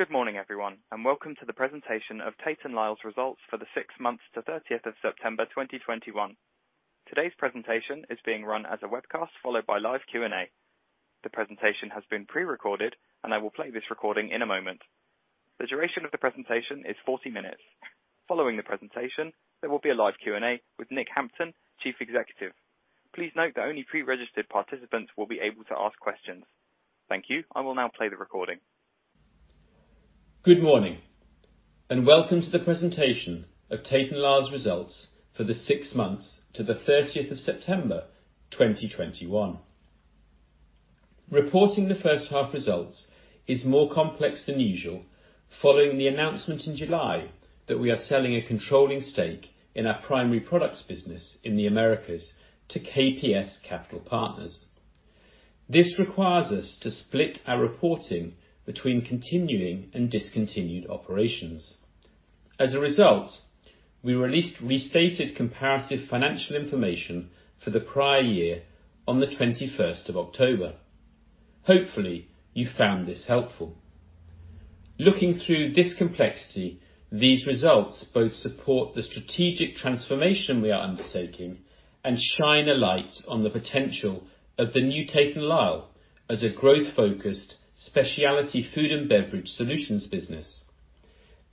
Good morning, everyone, and welcome to the presentation of Tate & Lyle's results for the six months to September 30, 2021. Today's presentation is being run as a webcast followed by live Q&A. The presentation has been pre-recorded, and I will play this recording in a moment. The duration of the presentation is 40 minutes. Following the presentation, there will be a live Q&A with Nick Hampton, Chief Executive. Please note that only pre-registered participants will be able to ask questions. Thank you. I will now play the recording. Good morning, and welcome to the presentation of Tate & Lyle's results for the six months to the 30th of September 2021. Reporting the H1 results is more complex than usual following the announcement in July that we are selling a controlling stake in our Primary Products business in Americas to KPS Capital Partners. This requires us to split our reporting between continuing and discontinued operations. As a result, we released restated comparative financial information for the prior year on the 21st of October. Hopefully, you found this helpful. Looking through this complexity, these results both support the strategic transformation we are undertaking and shine a light on the potential of the new Tate & Lyle as a growth-focused specialty Food & Beverage Solutions business.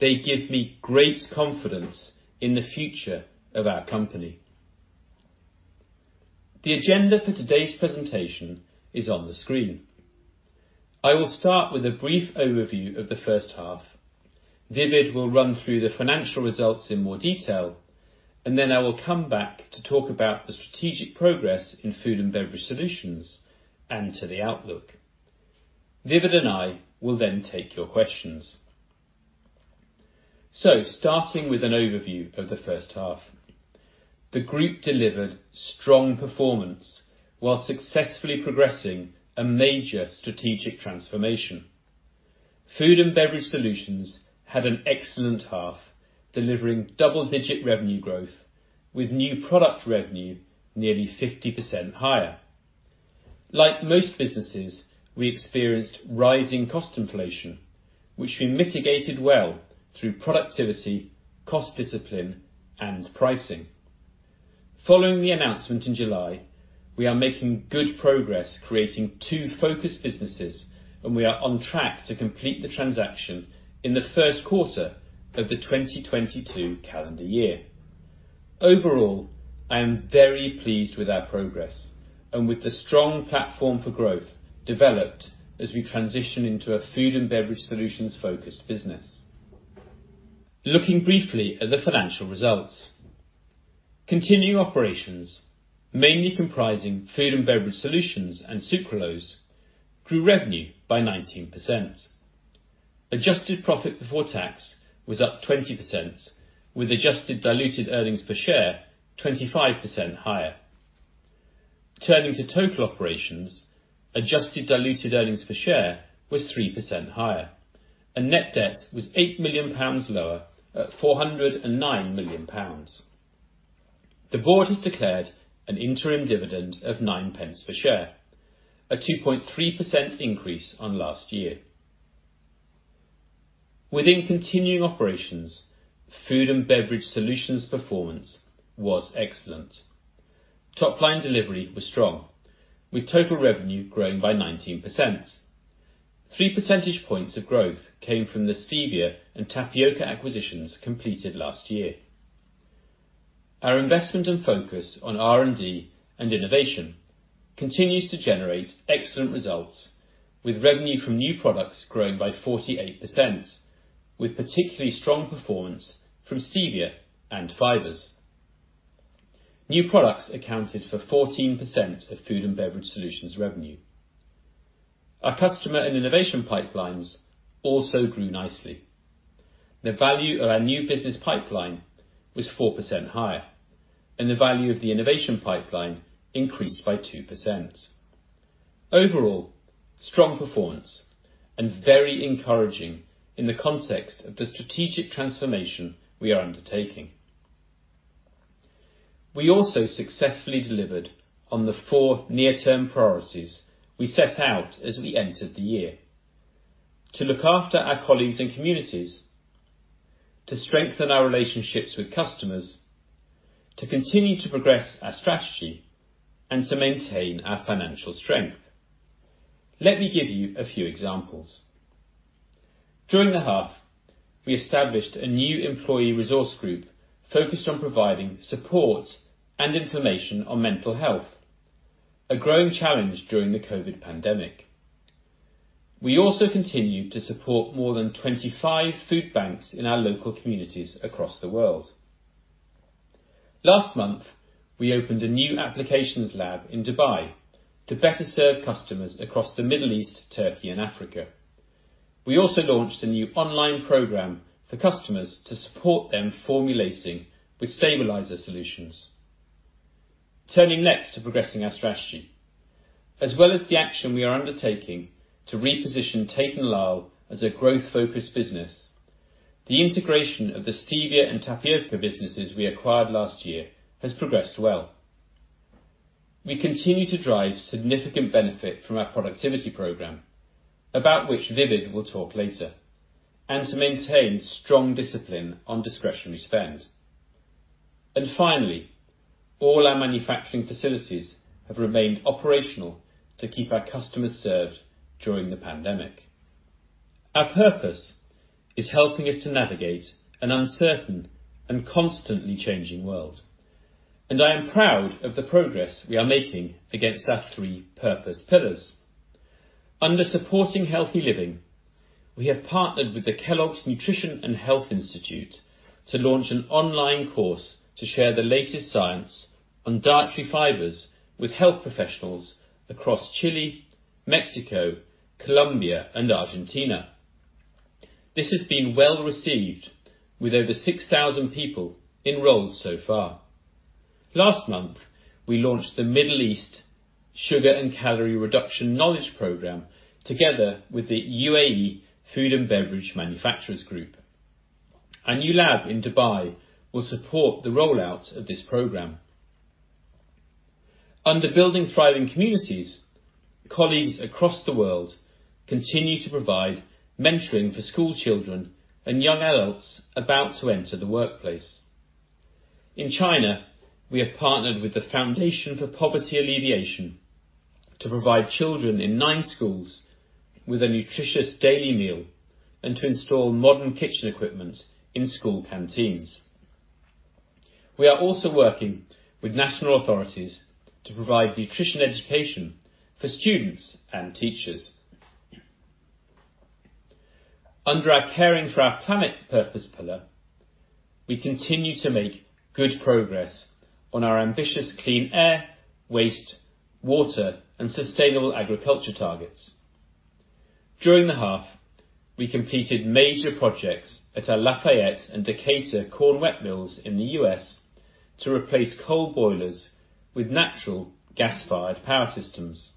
They give me great confidence in the future of our company. The agenda for today's presentation is on the screen. I will start with a brief overview of the H1. Imran Nawaz will run through the financial results in more detail, and then I will come back to talk about the strategic progress in Food & Beverage Solutions and to the outlook. Imran Nawaz and I will then take your questions. Starting with an overview of the H1. The group delivered strong performance while successfully progressing a major strategic transformation. Food & Beverage Solutions had an excellent half, delivering double-digit revenue growth with new product revenue nearly 50% higher. Like most businesses, we experienced rising cost inflation, which we mitigated well through productivity, cost discipline, and pricing. Following the announcement in July, we are making good progress creating two focus businesses, and we are on track to complete the transaction in the Q1 of the 2022 calendar year. Overall, I am very pleased with our progress and with the strong platform for growth developed as we transition into a Food & Beverage Solutions-focused business. Looking briefly at the financial results. Continuing operations, mainly comprising Food & Beverage Solutions and sucralose grew revenue by 19%. Adjusted profit before tax was up 20% with adjusted diluted earnings per share 25% higher. Turning to total operations, adjusted diluted earnings per share was 3% higher, and net debt was £8 million lower at £409 million. The board has declared an interim dividend of £0.09 per share, a 2.3% increase on last year. Within continuing operations, Food & Beverage Solutions performance was excellent. Topline delivery was strong, with total revenue growing by 19%. Three percentage points of growth came from the stevia and tapioca acquisitions completed last year. Our investment and focus on R&D and innovation continues to generate excellent results with revenue from new products growing by 48%, with particularly strong performance from stevia and fibers. New products accounted for 14% of Food & Beverage Solutions revenue. Our customer and innovation pipelines also grew nicely. The value of our new business pipeline was 4% higher, and the value of the innovation pipeline increased by 2%. Overall, strong performance and very encouraging in the context of the strategic transformation we are undertaking. We also successfully delivered on the four near-term priorities we set out as we entered the year. To look after our colleagues and communities, to strengthen our relationships with customers, to continue to progress our strategy, and to maintain our financial strength. Let me give you a few examples. During the half, we established a new employee resource group focused on providing support and information on mental health, a growing challenge during the COVID pandemic. We also continued to support more than 25 food banks in our local communities across the world. Last month, we opened a new applications lab in Dubai to better serve customers across the Middle East, Turkey and Africa. We also launched a new online program for customers to support them formulating with stabilizer solutions. Turning next to progressing our strategy. As well as the action we are undertaking to reposition Tate & Lyle as a growth focused business, the integration of the stevia and tapioca businesses we acquired last year has progressed well. We continue to drive significant benefit from our productivity program, about which Imran Nawaz will talk later, and to maintain strong discipline on discretionary spend. Finally, all our manufacturing facilities have remained operational to keep our customers served during the pandemic. Our purpose is helping us to navigate an uncertain and constantly changing world, and I am proud of the progress we are making against our three purpose pillars. Under supporting healthy living, we have partnered with the Kellogg's Nutrition Institute to launch an online course to share the latest science on dietary fibers with health professionals across Chile, Mexico, Colombia, and Argentina. This has been well received with over 6,000 people enrolled so far. Last month, we launched the Middle East Sugar and Calorie Reduction Knowledge Program together with the UAE Food and Beverage Manufacturers Group. Our new lab in Dubai will support the rollout of this program. Under Building Thriving Communities, colleagues across the world continue to provide mentoring for school children and young adults about to enter the workplace. In China, we have partnered with the China Foundation for Poverty Alleviation to provide children in nine schools with a nutritious daily meal and to install modern kitchen equipment in school canteens. We are also working with national authorities to provide nutrition education for students and teachers. Under our Caring for Our Planet purpose pillar, we continue to make good progress on our ambitious clean air, waste, water, and sustainable agriculture targets. During the half, we completed major projects at our Lafayette and Decatur corn wet mills in the U.S. to replace coal boilers with natural gas-fired power systems.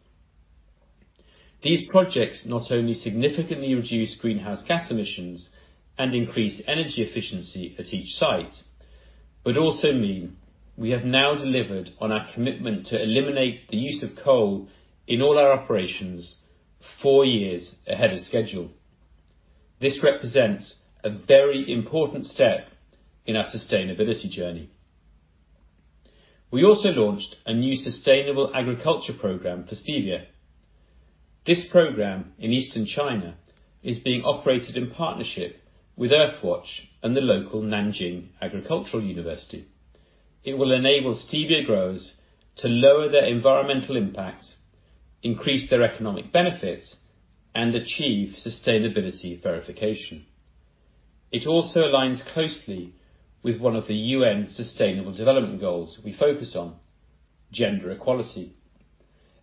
These projects not only significantly reduce greenhouse gas emissions and increase energy efficiency at each site, but also mean we have now delivered on our commitment to eliminate the use of coal in all our operations four years ahead of schedule. This represents a very important step in our sustainability journey. We also launched a new sustainable agriculture program for stevia. This program in Eastern China is being operated in partnership with Earthwatch and the local Nanjing Agricultural University. It will enable stevia growers to lower their environmental impacts, increase their economic benefits, and achieve sustainability verification. It also aligns closely with one of the UN Sustainable Development Goals we focus on, gender equality,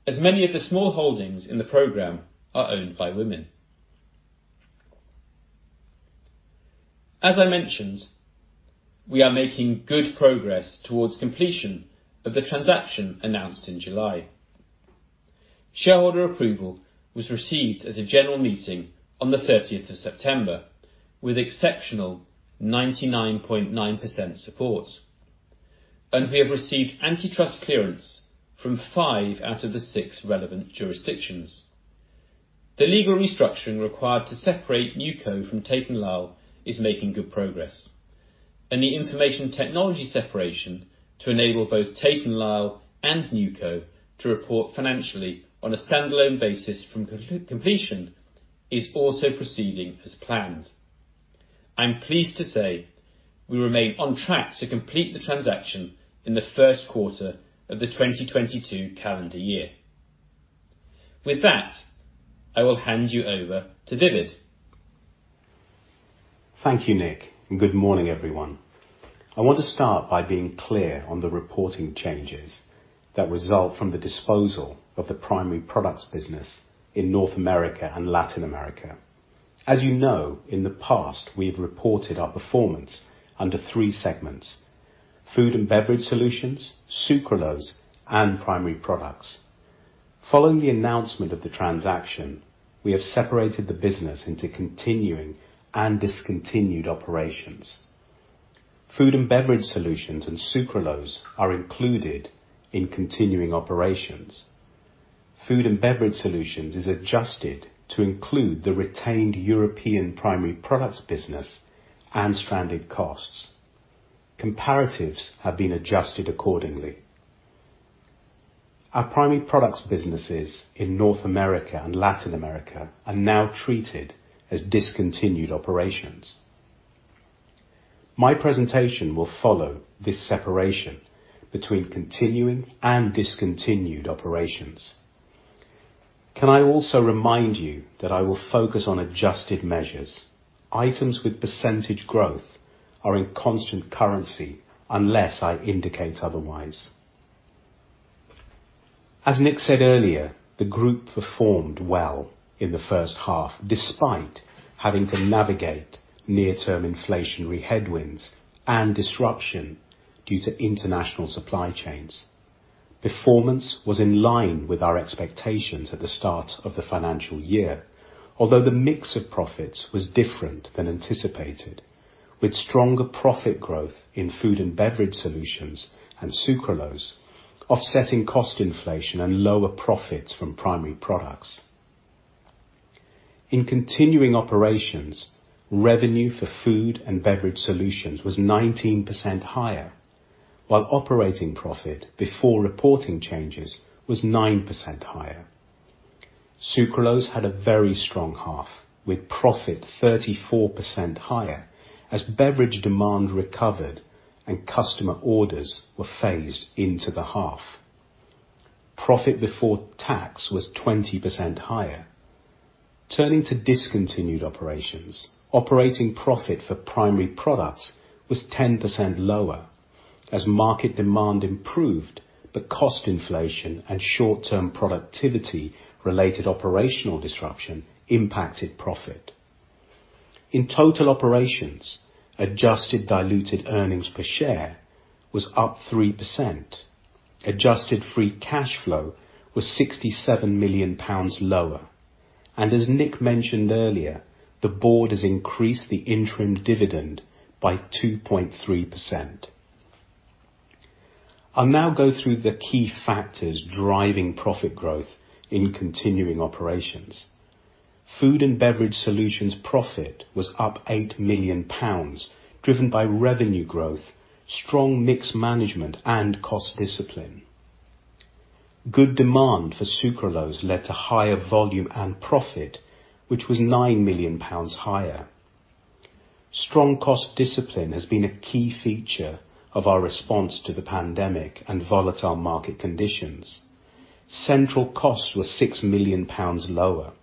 as many of the small holdings in the program are owned by women. As I mentioned, we are making good progress towards completion of the transaction announced in July. Shareholder approval was received at a general meeting on the 30th of September with exceptional 99.9% support. We have received antitrust clearance from five out of the six relevant jurisdictions. The legal restructuring required to separate NewCo from Tate & Lyle is making good progress, and the information technology separation to enable both Tate & Lyle and NewCo to report financially on a standalone basis from completion is also proceeding as planned. I'm pleased to say we remain on track to complete the transaction in the Q1 of the 2022 calendar year. With that, I will hand you over to Imran Nawaz. Thank you, Nick, and good morning, everyone. I want to start by being clear on the reporting changes that result from the disposal of the primary products business in North America and Latin America. As you know, in the past, we've reported our performance under three segments: Food & Beverage Solutions, sucralose, and primary products. Following the announcement of the transaction, we have separated the business into continuing and discontinued operations. Food & Beverage Solutions and sucralose are included in continuing operations. Food & Beverage Solutions is adjusted to include the retained European primary products business and stranded costs. Comparatives have been adjusted accordingly. Our primary products businesses in North America and Latin America are now treated as discontinued operations. My presentation will follow this separation between continuing and discontinued operations. Can I also remind you that I will focus on adjusted measures? Items with percentage growth are in constant currency unless I indicate otherwise. As Nick said earlier, the group performed well in the H1, despite having to navigate near-term inflationary headwinds and disruption due to international supply chains. Performance was in line with our expectations at the start of the financial year, although the mix of profits was different than anticipated, with stronger profit growth in Food & Beverage Solutions and sucralose, offsetting cost inflation and lower profits from primary products. In continuing operations, revenue for Food & Beverage Solutions was 19% higher, while operating profit before reporting changes was 9% higher. Sucralose had a very strong half with profit 34% higher as beverage demand recovered and customer orders were phased into the half. Profit before tax was 20% higher. Turning to discontinued operations, operating profit for primary products was 10% lower as market demand improved, but cost inflation and short-term productivity related operational disruption impacted profit. In total operations, adjusted diluted earnings per share was up 3%. Adjusted free cash flow was 67 million pounds lower. As Nick mentioned earlier, the board has increased the interim dividend by 2.3%. I'll now go through the key factors driving profit growth in continuing operations. Food & Beverage Solutions profit was up 8 million pounds, driven by revenue growth, strong mix management, and cost discipline. Good demand for sucralose led to higher volume and profit, which was 9 million pounds higher. Strong cost discipline has been a key feature of our response to the pandemic and volatile market conditions. Central costs were 6 million pounds lower.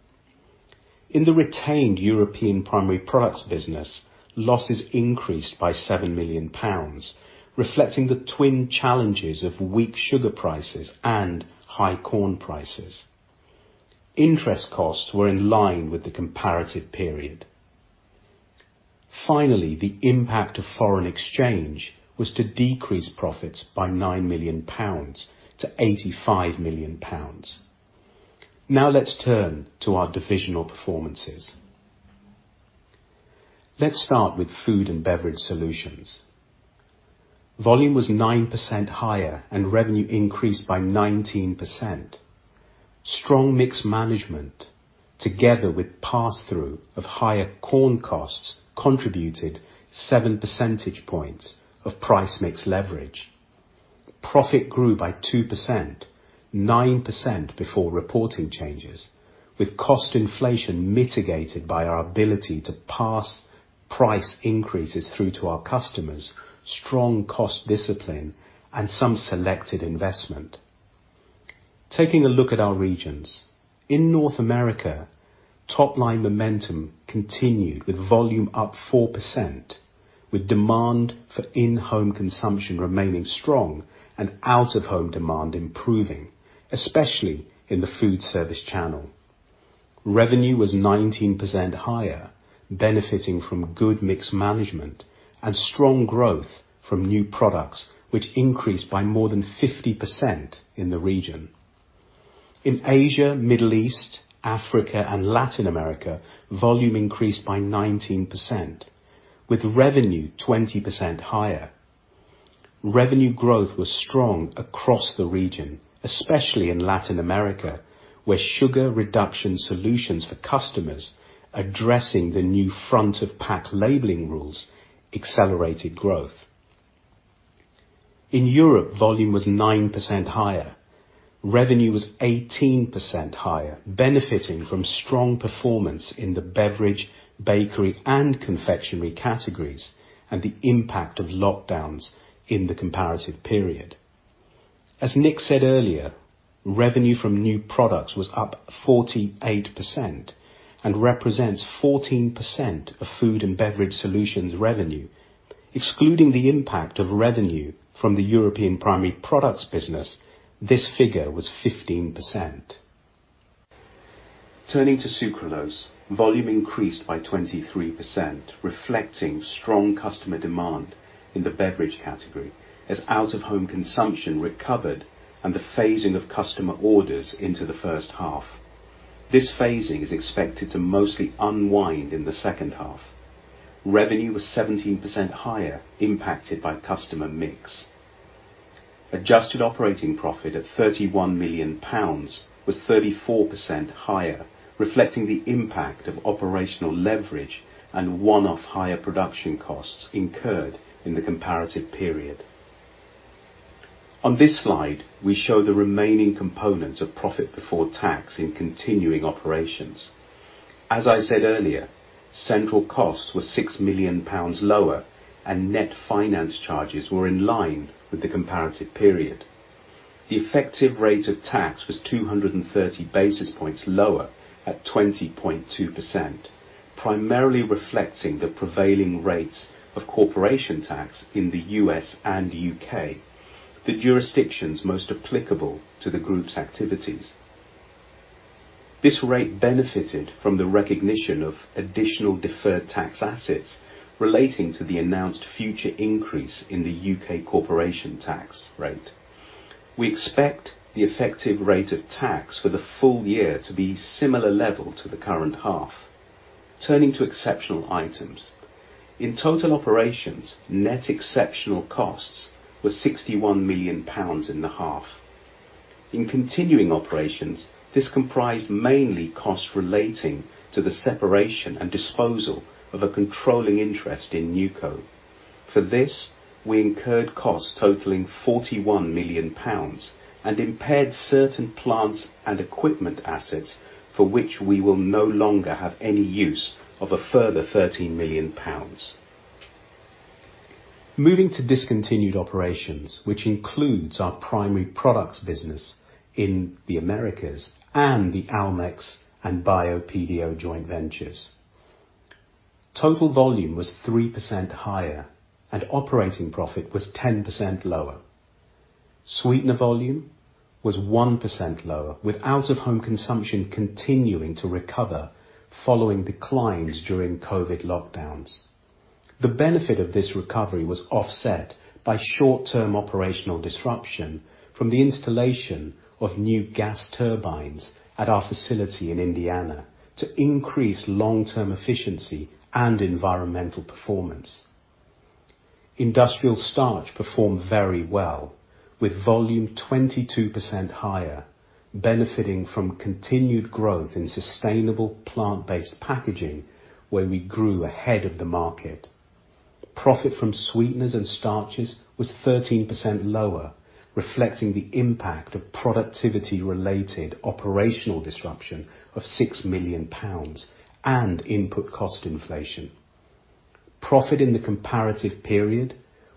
In the retained European primary products business, losses increased by 7 million pounds, reflecting the twin challenges of weak sugar prices and high corn prices. Interest costs were in line with the comparative period. Finally, the impact of foreign exchange was to decrease profits by 9 million pounds to 85 million pounds. Now let's turn to our divisional performances. Let's start with Food & Beverage Solutions. Volume was 9% higher and revenue increased by 19%. Strong mix management together with passthrough of higher corn costs contributed 7 percentage points of price mix leverage. Profit grew by 2%, 9% before reporting changes, with cost inflation mitigated by our ability to pass price increases through to our customers, strong cost discipline, and some selected investment. Taking a look at our regions. In North America, top-line momentum continued with volume up 4%, with demand for in-home consumption remaining strong and out-of-home demand improving, especially in the food service channel. Revenue was 19% higher, benefiting from good mix management and strong growth from new products, which increased by more than 50% in the region. In Asia, Middle East, Africa, and Latin America, volume increased by 19% with revenue 20% higher. Revenue growth was strong across the region, especially in Latin America, where sugar reduction solutions for customers addressing the new front-of-pack labelling rules accelerated growth. In Europe, volume was 9% higher. Revenue was 18% higher, benefiting from strong performance in the beverage, bakery, and confectionery categories, and the impact of lockdowns in the comparative period. As Nick said earlier, revenue from new products was up 48% and represents 14% of Food & Beverage Solutions revenue. Excluding the impact of revenue from the European Primary Products business, this figure was 15%. Turning to sucralose. Volume increased by 23%, reflecting strong customer demand in the beverage category as out-of-home consumption recovered and the phasing of customer orders into the H1. This phasing is expected to mostly unwind in the H2. Revenue was 17% higher, impacted by customer mix. Adjusted operating profit at 31 million pounds was 34% higher, reflecting the impact of operational leverage and one-off higher production costs incurred in the comparative period. On this slide, we show the remaining components of profit before tax in continuing operations. As I said earlier, central costs were 6 million pounds lower and net finance charges were in line with the comparative period. The effective rate of tax was 230 basis points lower at 20.2%, primarily reflecting the prevailing rates of corporation tax in the U.S. and U.K., the jurisdictions most applicable to the group's activities. This rate benefited from the recognition of additional deferred tax assets relating to the announced future increase in the U.K. corporation tax rate. We expect the effective rate of tax for the full year to be similar level to the current half. Turning to exceptional items. In total operations, net exceptional costs were 61 million pounds in the half. In continuing operations, this comprised mainly costs relating to the separation and disposal of a controlling interest in NewCo. For this, we incurred costs totaling 41 million pounds and impaired certain plants and equipment assets for which we will no longer have any use of a further 13 million pounds. Moving to discontinued operations, which includes our primary products business in the Americas and the Almex and Bio-PDO joint ventures. Total volume was 3% higher and operating profit was 10% lower. Sweetener volume was 1% lower, with out-of-home consumption continuing to recover following declines during COVID lockdowns. The benefit of this recovery was offset by short-term operational disruption from the installation of new gas turbines at our facility in Indiana to increase long-term efficiency and environmental performance. Industrial starch performed very well, with volume 22% higher, benefiting from continued growth in sustainable plant-based packaging where we grew ahead of the market. Profit from sweeteners and starches was 13% lower, reflecting the impact of productivity-related operational disruption of 6 million pounds and input cost inflation. Profit in the comparative period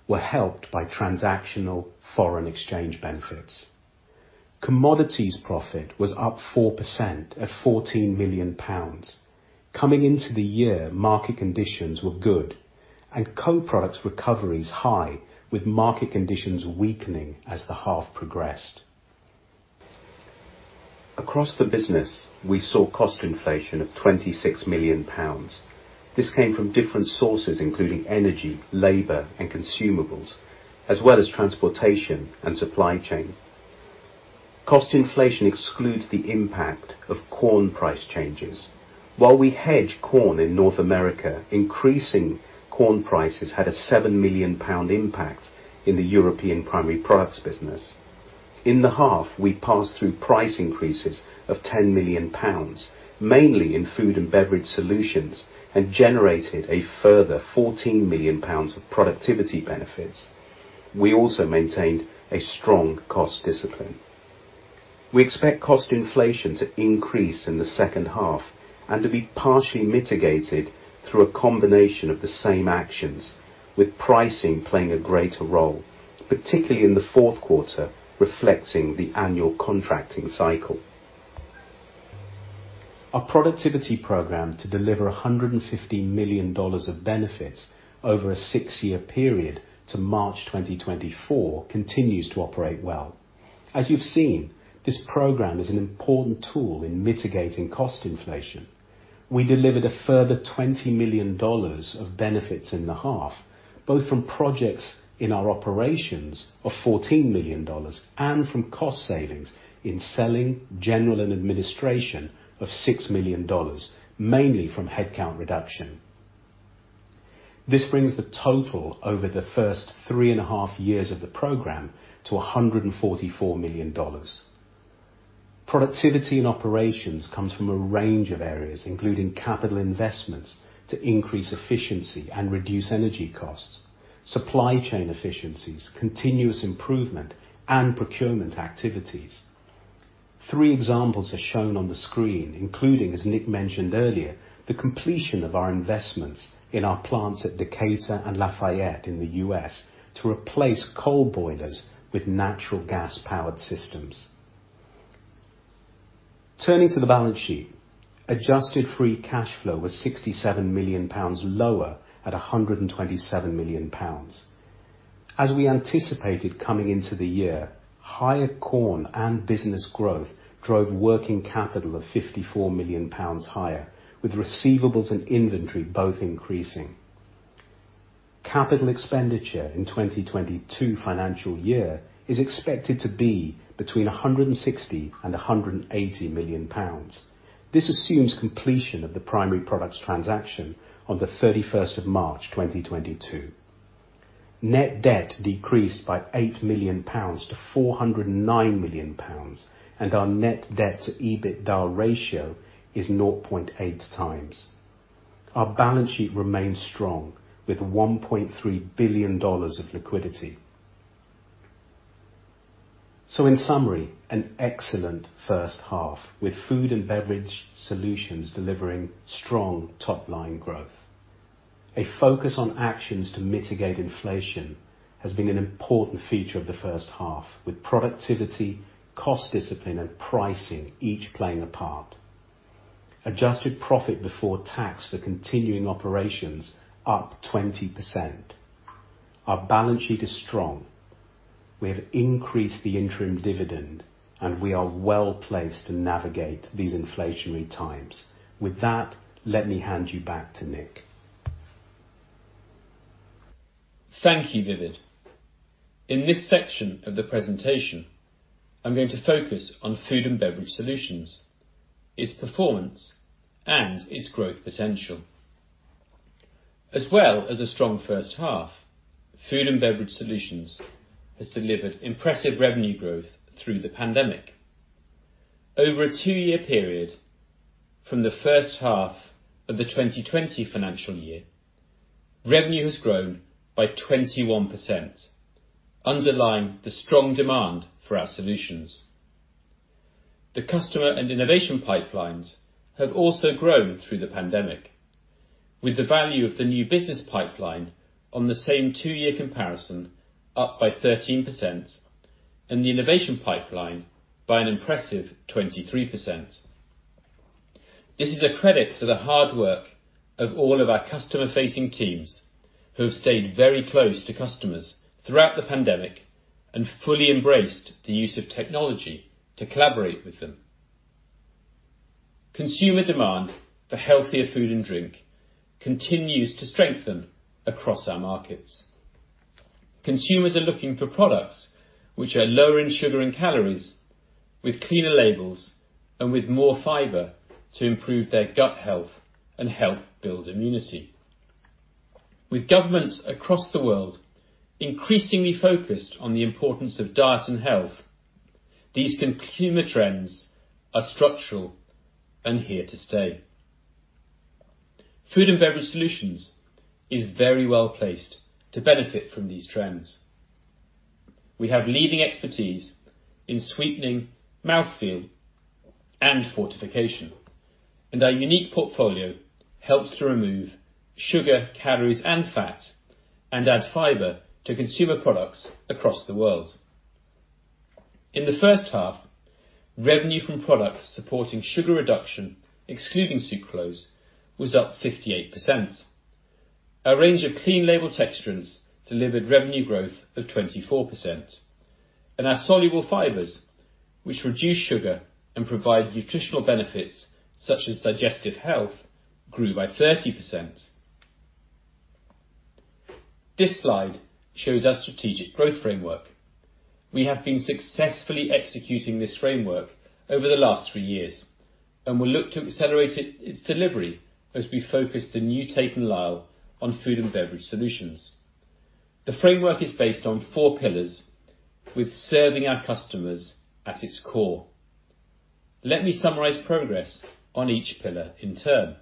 were helped by transactional foreign exchange benefits. Commodities profit was up 4% at 14 million pounds. Coming into the year, market conditions were good and co-products recovery is high, with market conditions weakening as the half progressed. Across the business, we saw cost inflation of 26 million pounds. This came from different sources, including energy, labor and consumables, as well as transportation and supply chain. Cost inflation excludes the impact of corn price changes. While we hedge corn in North America, increasing corn prices had a 7 million pound impact in the European Primary Products business. In the half, we passed through price increases of 10 million pounds, mainly in Food & Beverage Solutions, and generated a further 14 million pounds of productivity benefits. We also maintained a strong cost discipline. We expect cost inflation to increase in the H2 and to be partially mitigated through a combination of the same actions, with pricing playing a greater role, particularly in the Q4, reflecting the annual contracting cycle. Our productivity program to deliver $150 million of benefits over a six-year period to March 2024 continues to operate well. As you've seen, this program is an important tool in mitigating cost inflation. We delivered a further $20 million of benefits in the half, both from projects in our operations of $14 million and from cost savings in selling, general, and administration of $6 million, mainly from headcount reduction. This brings the total over the first three and a half years of the program to $144 million. Productivity in operations comes from a range of areas, including capital investments to increase efficiency and reduce energy costs, supply chain efficiencies, continuous improvement, and procurement activities. Three examples are shown on the screen, including, as Nick mentioned earlier, the completion of our investments in our plants at Decatur and Lafayette in the U.S. to replace coal boilers with natural gas powered systems. Turning to the balance sheet, adjusted free cash flow was 67 million pounds lower at 127 million pounds. As we anticipated coming into the year, higher corn and business growth drove working capital of 54 million pounds higher, with receivables and inventory both increasing. Capital expenditure in 2022 financial year is expected to be between 160 million and 180 million pounds. This assumes completion of the primary products transaction on the 31st of March 2022. Net debt decreased by 8 million pounds to 409 million pounds, and our net debt to EBITDA ratio is 0.8x. Our balance sheet remains strong with $1.3 billion of liquidity. In summary, an excellent H1 with Food & Beverage Solutions delivering strong top-line growth. A focus on actions to mitigate inflation has been an important feature of the H1, with productivity, cost discipline and pricing each playing a part. Adjusted profit before tax for continuing operations up 20%. Our balance sheet is strong. We have increased the interim dividend and we are well placed to navigate these inflationary times. With that, let me hand you back to Nick. Thank you, Imran Nawaz. In this section of the presentation, I'm going to focus on Food & Beverage Solutions, its performance, and its growth potential. As well as a strong H1, Food & Beverage Solutions has delivered impressive revenue growth through the pandemic. Over a two-year period from the H1 of the 2020 financial year, revenue has grown by 21%, underlining the strong demand for our solutions. The customer and innovation pipelines have also grown through the pandemic, with the value of the new business pipeline on the same two-year comparison up by 13% and the innovation pipeline by an impressive 23%. This is a credit to the hard work of all of our customer-facing teams who have stayed very close to customers throughout the pandemic and fully embraced the use of technology to collaborate with them. Consumer demand for healthier food and drink continues to strengthen across our markets. Consumers are looking for products which are lower in sugar and calories with cleaner labels and with more fiber to improve their gut health and help build immunity. With governments across the world increasingly focused on the importance of diet and health, these consumer trends are structural and here to stay. Food & Beverage Solutions is very well-placed to benefit from these trends. We have leading expertise in sweetening mouthfeel and fortification, and our unique portfolio helps to remove sugar, calories, and fats and add fiber to consumer products across the world. In the H1, revenue from products supporting sugar reduction, excluding sucrose, was up 58%. Our range of clean label texturants delivered revenue growth of 24%. Our soluble fibers, which reduce sugar and provide nutritional benefits such as digestive health, grew by 30%. This slide shows our strategic growth framework. We have been successfully executing this framework over the last three years, and we look to accelerate its delivery as we focus the new Tate & Lyle on Food & Beverage Solutions. The framework is based on four pillars with serving our customers, at its core. Let me summarize progress on each pillar in turn.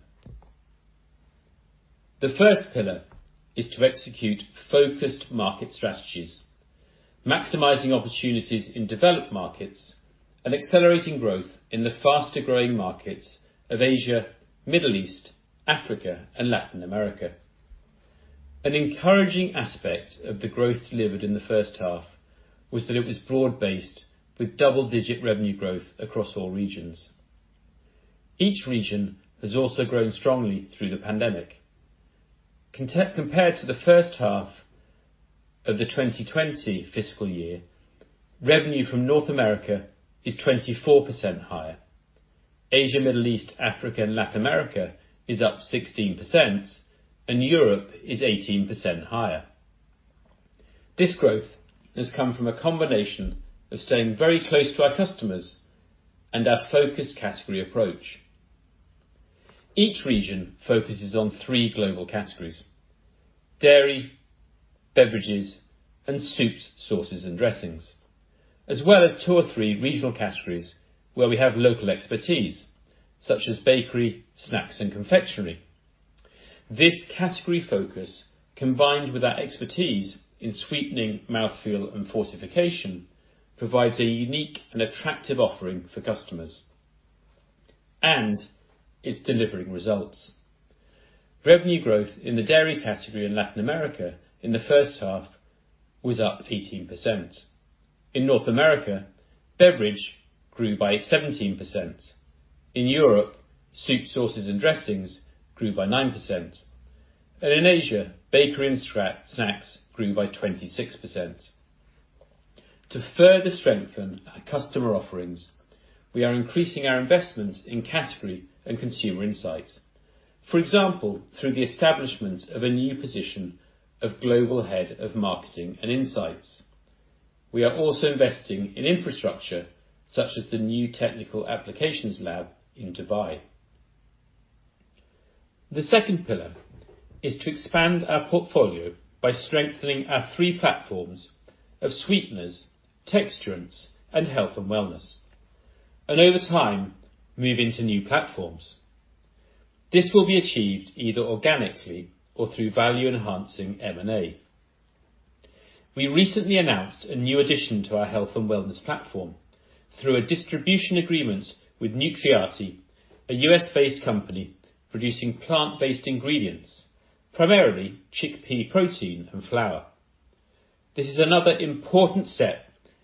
The first pillar is to execute focused market strategies, maximizing opportunities in developed markets, and accelerating growth in the faster-growing markets of Asia, Middle East, Africa, and Latin America. An encouraging aspect of the growth delivered in the H1 was that it was broad-based with double-digit revenue growth across all regions. Each region has also grown strongly through the pandemic. Compared to the H1 of the 2020 fiscal year, revenue from North America is 24% higher. Asia, Middle East, Africa, and Latin America is up 16%, and Europe is 18% higher. This growth has come from a combination of staying very close to our customers and our focused category approach. Each region focuses on three global categories: dairy, beverages, and soups, sauces, and dressings, as well as two or three regional categories where we have local expertise, such as bakery, snacks, and confectionery. This category focus, combined with our expertise in sweetening mouthfeel and fortification, provides a unique and attractive offering for customers, and it's delivering results. Revenue growth in the dairy category in Latin America in the H1 was up 18%. In North America, beverage grew by 17%. In Europe, soup, sauces, and dressings grew by 9%. In Asia, bakery and snacks grew by 26%. To further strengthen our customer offerings, we are increasing our investments in category and consumer insights. For example, through the establishment of a new position of Global Head of Marketing and Insights. We are also investing in infrastructure, such as the new technical applications lab in Dubai. The second pillar is to expand our portfolio by strengthening our three platforms of sweeteners, texturants, and health and wellness. Over time, move into new platforms. This will be achieved either organically or through value-enhancing M&A. We recently announced a new addition to our health and wellness platform through a distribution agreement with Nutriati, a U.S.-based company producing plant-based ingredients, primarily chickpea protein and flour. This is another important step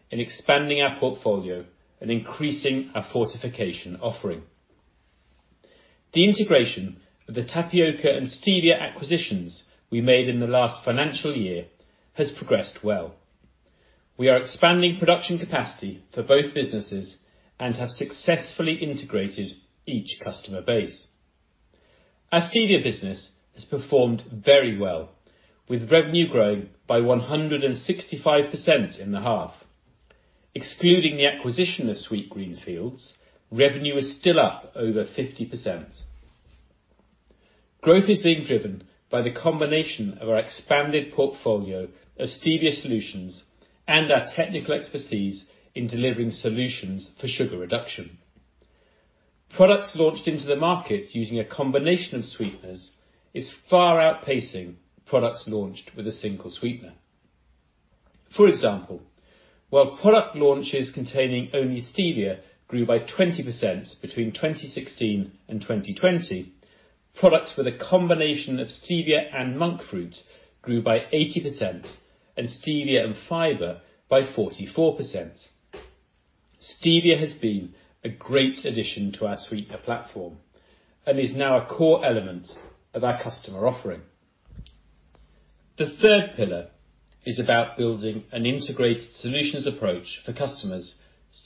in expanding our portfolio and increasing our fortification offering. The integration of the tapioca and stevia acquisitions we made in the last financial year has progressed well. We are expanding production capacity for both businesses and have successfully integrated each customer base. Our stevia business has performed very well, with revenue growing by 165% in the half. Excluding the acquisition of Sweet Green Fields, revenue is still up over 50%. Growth is being driven by the combination of our expanded portfolio of stevia solutions and our technical expertise in delivering solutions for sugar reduction. Products launched into the market using a combination of sweeteners is far outpacing products launched with a single sweetener. For example, while product launches containing only stevia grew by 20% between 2016 and 2020, products with a combination of stevia and monk fruit grew by 80%, and stevia and fiber by 44%. Stevia has been a great addition to our sweetener platform and is now a core element of our customer offering. The third pillar is about building an integrated solutions approach for customers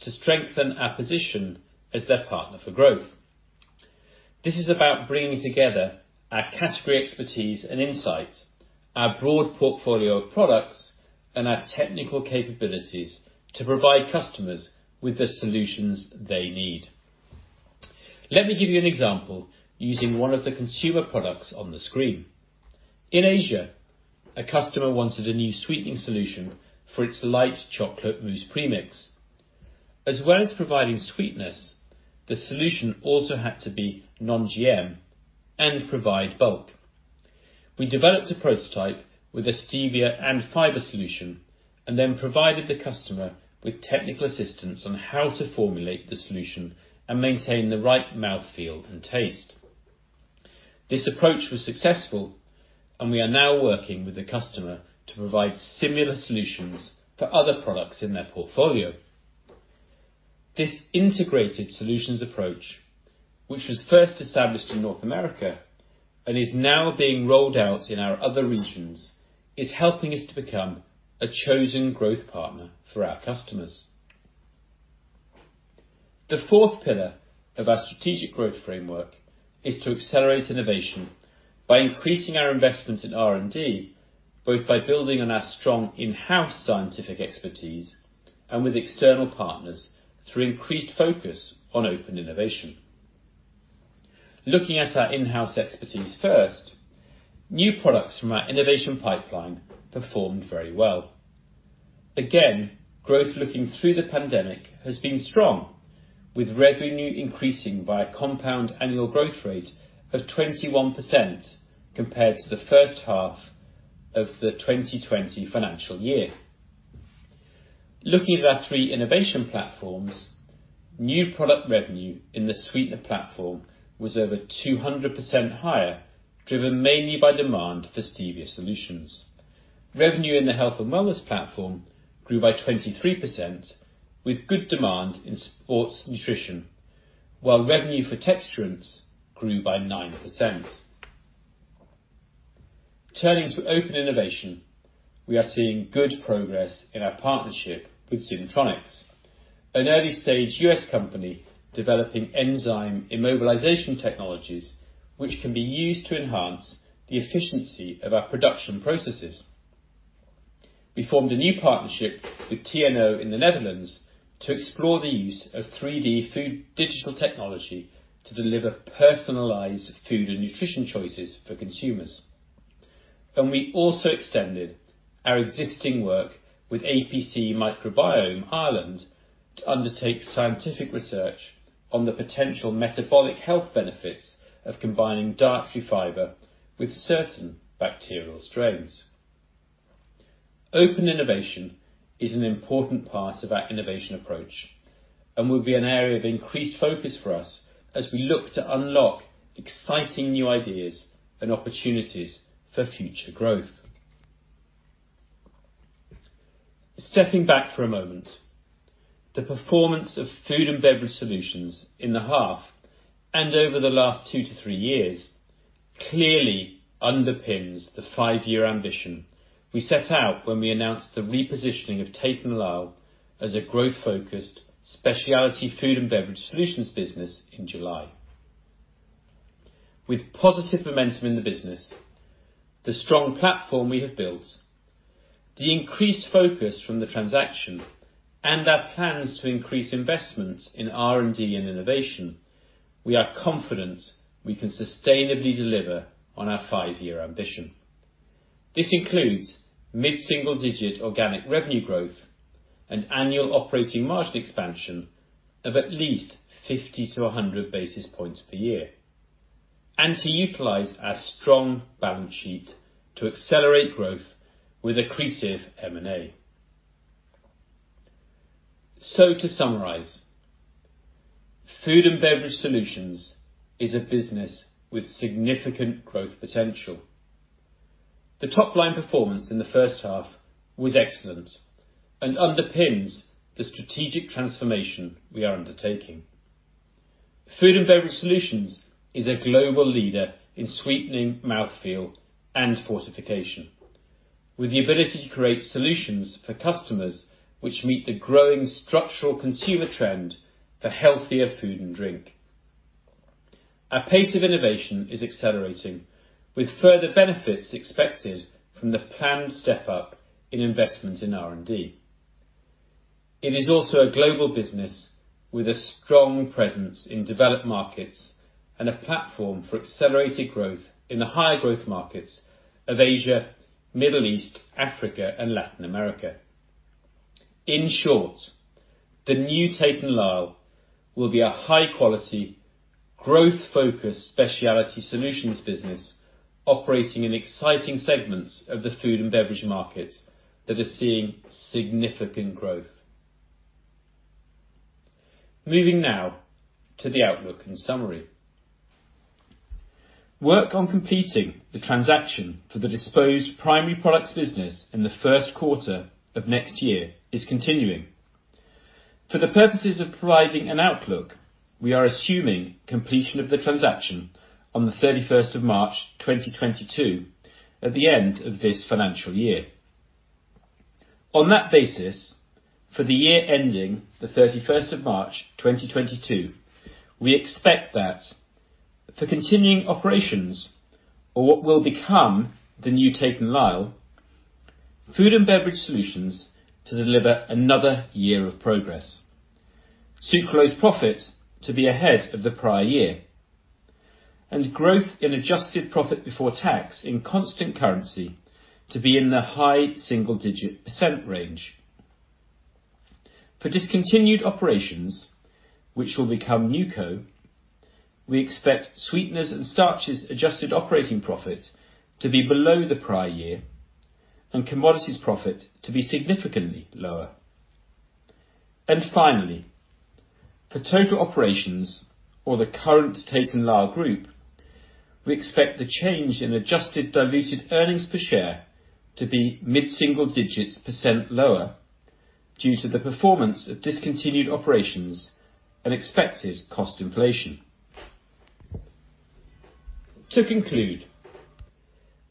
to strengthen our position as their partner for growth. This is about bringing together our category expertise and insight, our broad portfolio of products, and our technical capabilities to provide customers with the solutions they need. Let me give you an example using one of the consumer products on the screen. In Asia, a customer wanted a new sweetening solution for its light chocolate mousse premix. As well as providing sweetness, the solution also had to be non-GM and provide bulk. We developed a prototype with a stevia and fiber solution and then provided the customer with technical assistance on how to formulate the solution and maintain the right mouthfeel and taste. This approach was successful and we are now working with the customer to provide similar solutions for other products in their portfolio. This integrated solutions approach, which was first established in North America and is now being rolled out in our other regions, is helping us to become a chosen growth partner for our customers. The fourth pillar of our strategic growth framework is to accelerate innovation by increasing our investment in R&D, both by building on our strong in-house scientific expertise and with external partners through increased focus on open innovation. Looking at our in-house expertise first, new products from our innovation pipeline performed very well. Again, growth looking through the pandemic has been strong, with revenue increasing by a compound annual growth rate of 21% compared to the H1 of the 2020 financial year. Looking at our three innovation platforms, new product revenue in the sweetener platform was over 200% higher, driven mainly by demand for stevia solutions. Revenue in the health and wellness platform grew by 23% with good demand in sports nutrition, while revenue for texturants grew by 9%. Turning to open innovation, we are seeing good progress in our partnership with Zymtronix, an early-stage U.S. company developing enzyme immobilization technologies which can be used to enhance the efficiency of our production processes. We formed a new partnership with TNO in the Netherlands to explore the use of 3D food digital technology to deliver personalized food and nutrition choices for consumers. We also extended our existing work with APC Microbiome Ireland to undertake scientific research on the potential metabolic health benefits of combining dietary fiber with certain bacterial strains. Open innovation is an important part of our innovation approach and will be an area of increased focus for us as we look to unlock exciting new ideas and opportunities for future growth. Stepping back for a moment, the performance of Food & Beverage Solutions in the half and over the last two to three years clearly underpins the five-year ambition we set out when we announced the repositioning of Tate & Lyle as a growth-focused specialty Food & Beverage Solutions business in July. With positive momentum in the business, the strong platform we have built, the increased focus from the transaction and our plans to increase investments in R&D and innovation, we are confident we can sustainably deliver on our five-year ambition. This includes mid-single-digit organic revenue growth and annual operating margin expansion of at least 50-100 basis points per year. To utilize our strong balance sheet to accelerate growth with accretive M&A. To summarize, Food & Beverage Solutions is a business with significant growth potential. The top line performance in the H1 was excellent and underpins the strategic transformation we are undertaking. Food & Beverage Solutions is a global leader in sweetening, mouthfeel and fortification. With the ability to create solutions for customers which meet the growing structural consumer trend for healthier food and drink. Our pace of innovation is accelerating with further benefits expected from the planned step up in investment in R&D. It is also a global business with a strong presence in developed markets and a platform for accelerated growth in the higher growth markets of Asia, Middle East, Africa, and Latin America. In short, the new Tate & Lyle will be a high quality, growth focused specialty solutions business operating in exciting segments of the food and beverage market that are seeing significant growth. Moving now to the outlook and summary. Work on completing the transaction for the disposed Primary Products business in the Q1 of next year is continuing. For the purposes of providing an outlook, we are assuming completion of the transaction on the 31st of March, 2022, at the end of this financial year. On that basis, for the year ending the 31st of March, 2022, we expect that for continuing operations or what will become the new Tate & Lyle, Food & Beverage Solutions to deliver another year of progress. Underlying profit to be ahead of the prior year. Growth in adjusted profit before tax in constant currency to be in the high single-digit % range. For discontinued operations, which will become NewCo, we expect sweeteners and starches adjusted operating profit to be below the prior year and commodities profit to be significantly lower. Finally, for total operations or the current Tate & Lyle group, we expect the change in adjusted diluted earnings per share to be mid-single digits % lower due to the performance of discontinued operations and expected cost inflation. To conclude,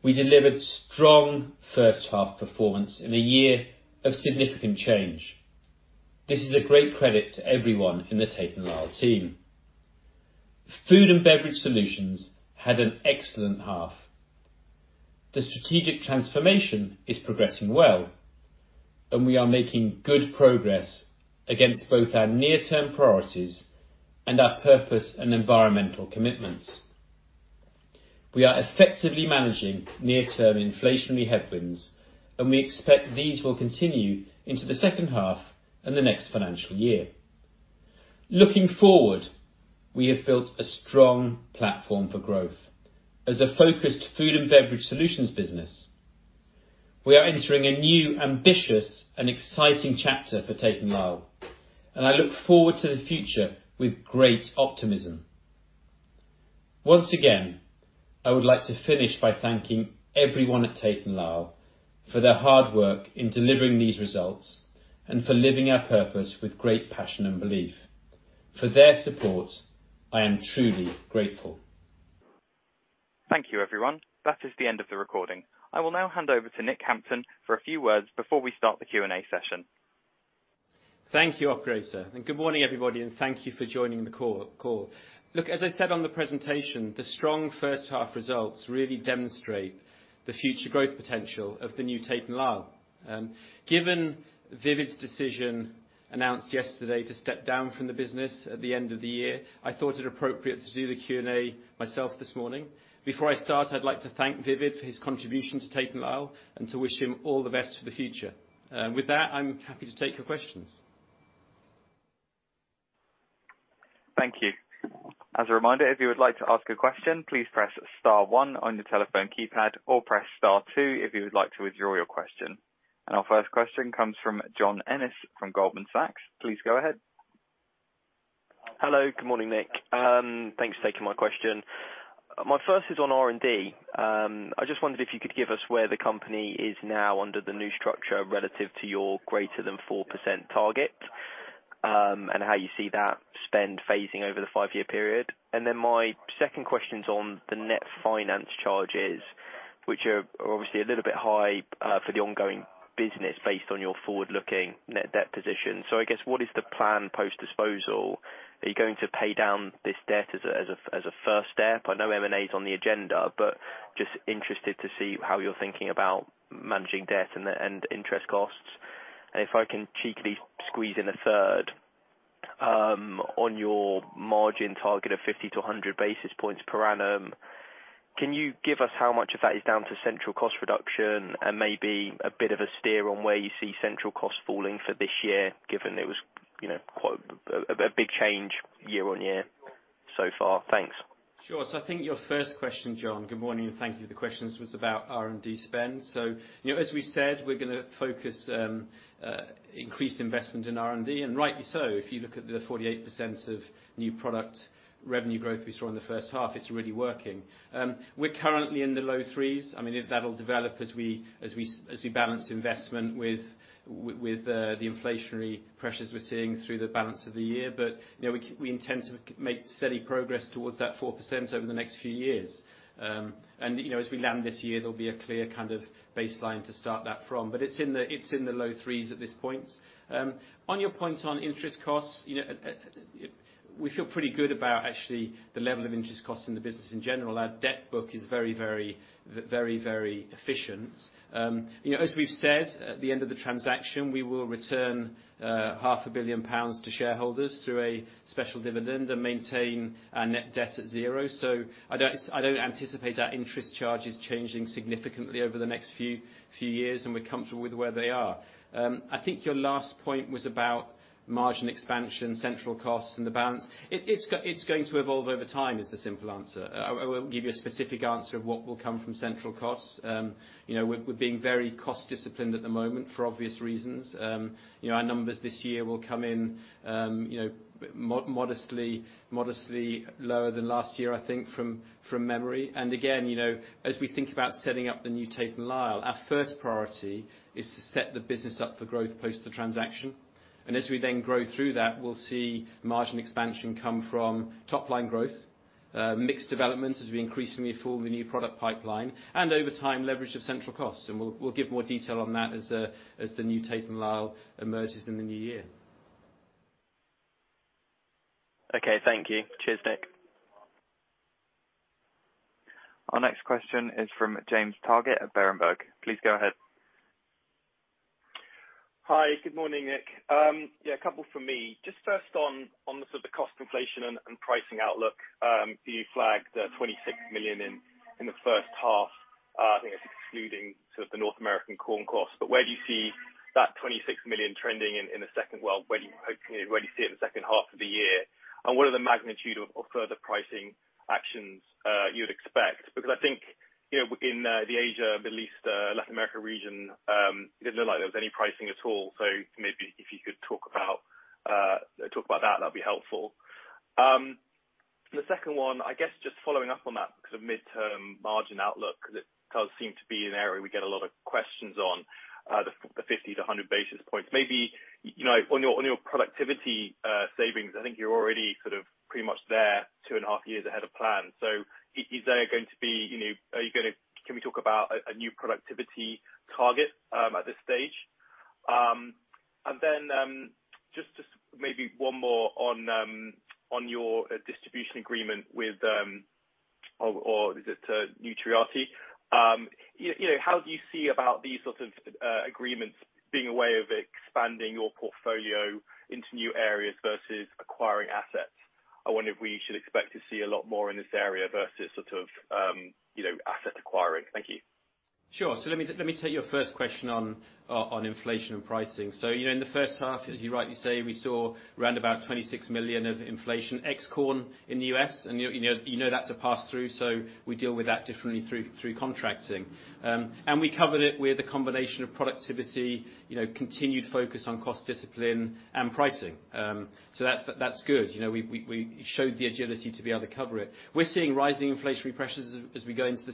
we delivered strong H1 performance in a year of significant change. This is a great credit to everyone in the Tate & Lyle team. Food & Beverage Solutions had an excellent half. The strategic transformation is progressing well, and we are making good progress against both our near-term priorities and our purpose and environmental commitments. We are effectively managing near-term inflationary headwinds, and we expect these will continue into the H2 and the next financial year. Looking forward, we have built a strong platform for growth as a focused Food & Beverage Solutions business. We are entering a new, ambitious and exciting chapter for Tate & Lyle, and I look forward to the future with great optimism. Once again, I would like to finish by thanking everyone at Tate & Lyle for their hard work in delivering these results and for living our purpose with great passion and belief. For their support, I am truly grateful. Thank you, everyone. That is the end of the recording. I will now hand over to Nick Hampton for a few words before we start the Q&A session. Thank you, operator, and good morning, everybody, and thank you for joining the call. Look, as I said on the presentation, the strong H1 results really demonstrate the future growth potential of the new Tate & Lyle. Given Imran Nawaz's decision announced yesterday to step down from the business at the end of the year, I thought it appropriate to do the Q&A myself this morning. Before I start, I'd like to thank Imran Nawaz for his contribution to Tate & Lyle and to wish him all the best for the future. With that, I'm happy to take your questions. Thank you. As a reminder, if you would like to ask a question, please press star one on your telephone keypad, or press star two if you would like to withdraw your question. Our first question comes from John Ennis from Goldman Sachs. Please go ahead. Hello. Good morning, Nick. Thanks for taking my question. My first is on R&D. I just wondered if you could give us where the company is now under the new structure relative to your greater than 4% target, and how you see that spend phasing over the five-year period. Then my second question's on the net finance charges, which are obviously a little bit high for the ongoing business based on your forward-looking net debt position. I guess what is the plan post-disposal? Are you going to pay down this debt as a first step? I know M&A is on the agenda, but just interested to see how you're thinking about managing debt and interest costs. If I can cheekily squeeze in a third, on your margin target of 50-100 basis points per annum, can you give us how much of that is down to central cost reduction and maybe a bit of a steer on where you see central costs falling for this year, given it was, you know, quite a big change year-on-year so Far. Thanks. Sure. I think your first question, John, good morning, and thank you for the questions, was about R&D spend. You know, as we said, we're gonna focus on increased investment in R&D, and rightly so. If you look at the 48% of new product revenue growth we saw in the H1, it's really working. We're currently in the low threes. I mean, if that'll develop as we balance investment with the inflationary pressures we're seeing through the balance of the year. You know, we intend to make steady progress towards that 4% over the next few years. You know, as we land this year, there'll be a clear kind of baseline to start that from. It's in the low threes at this point. On your point on interest costs, you know, we feel pretty good about actually the level of interest costs in the business in general. Our debt book is very efficient. You know, as we've said, at the end of the transaction, we will return half a billion pounds to shareholders through a special dividend and maintain our net debt at zero. I don't anticipate our interest charges changing significantly over the next few years, and we're comfortable with where they are. I think your last point was about margin expansion, central costs and the balance. It's going to evolve over time is the simple answer. I won't give you a specific answer of what will come from central costs. You know, we're being very cost disciplined at the moment for obvious reasons. You know, our numbers this year will come in modestly lower than last year, I think from memory. Again, you know, as we think about setting up the new Tate & Lyle, our first priority is to set the business up for growth post the transaction. As we then grow through that, we'll see margin expansion come from top line growth, mixed developments as we increasingly form a new product pipeline and over time, leverage of central costs. We'll give more detail on that as the new Tate & Lyle emerges in the new year. Okay, thank you. Cheers, Nick. Our next question is from James Targett at Berenberg. Please go ahead. Hi, good morning, Nick. Yeah, a couple from me. Just first on the sort of cost inflation and pricing outlook, you flagged 26 million in the H1, I think it's excluding sort of the North American corn costs. Where do you see that 26 million trending in the H2? Where do you see it in the H2 of the year? What are the magnitude of further pricing actions you would expect? Because I think, you know, in the Asia, Middle East, Latin America region, it didn't look like there was any pricing at all. Maybe if you could talk about that'd be helpful. The second one, I guess just following up on that sort of midterm margin outlook, 'cause it does seem to be an area we get a lot of questions on, the 50-100 basis points. Maybe, you know, on your productivity savings, I think you're already sort of pretty much there 2.5 years ahead of plan. Can we talk about a new productivity target at this stage? Just maybe one more on your distribution agreement with Nutriati. You know, how do you see these sort of agreements being a way of expanding your portfolio into new areas versus acquiring assets? I wonder if we should expect to see a lot more in this area versus sort of, you know, asset acquiring. Thank you. Sure. Let me take your first question on inflation and pricing. You know, in the H1, as you rightly say, we saw around about $26 million of inflation, ex-corn in the US. You know that's a pass through, so we deal with that differently through contracting. We covered it with a combination of productivity, you know, continued focus on cost discipline and pricing. That's good. You know, we showed the agility to be able to cover it. We're seeing rising inflationary pressures as we go into the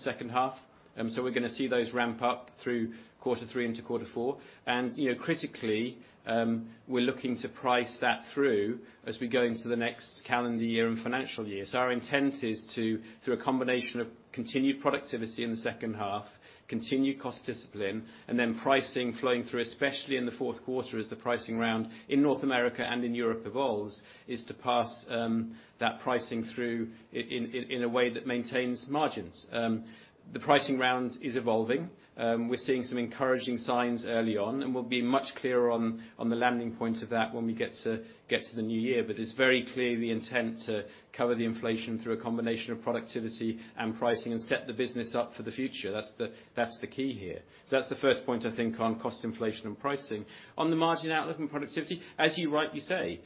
H2. We're gonna see those ramp up through quarter three into quarter four. You know, critically, we're looking to price that through as we go into the next calendar year and financial year. Our intent is to, through a combination of continued productivity in the H2, continued cost discipline, and then pricing flowing through, especially in the Q4 as the pricing round in North America and in Europe evolves, is to pass that pricing through in a way that maintains margins. The pricing round is evolving. We're seeing some encouraging signs early on, and we'll be much clearer on the landing point of that when we get to the new year. It's very clearly the intent to cover the inflation through a combination of productivity and pricing and set the business up for the future. That's the key here. That's the first point, I think, on cost inflation and pricing. On the margin outlook and productivity, as you rightly say,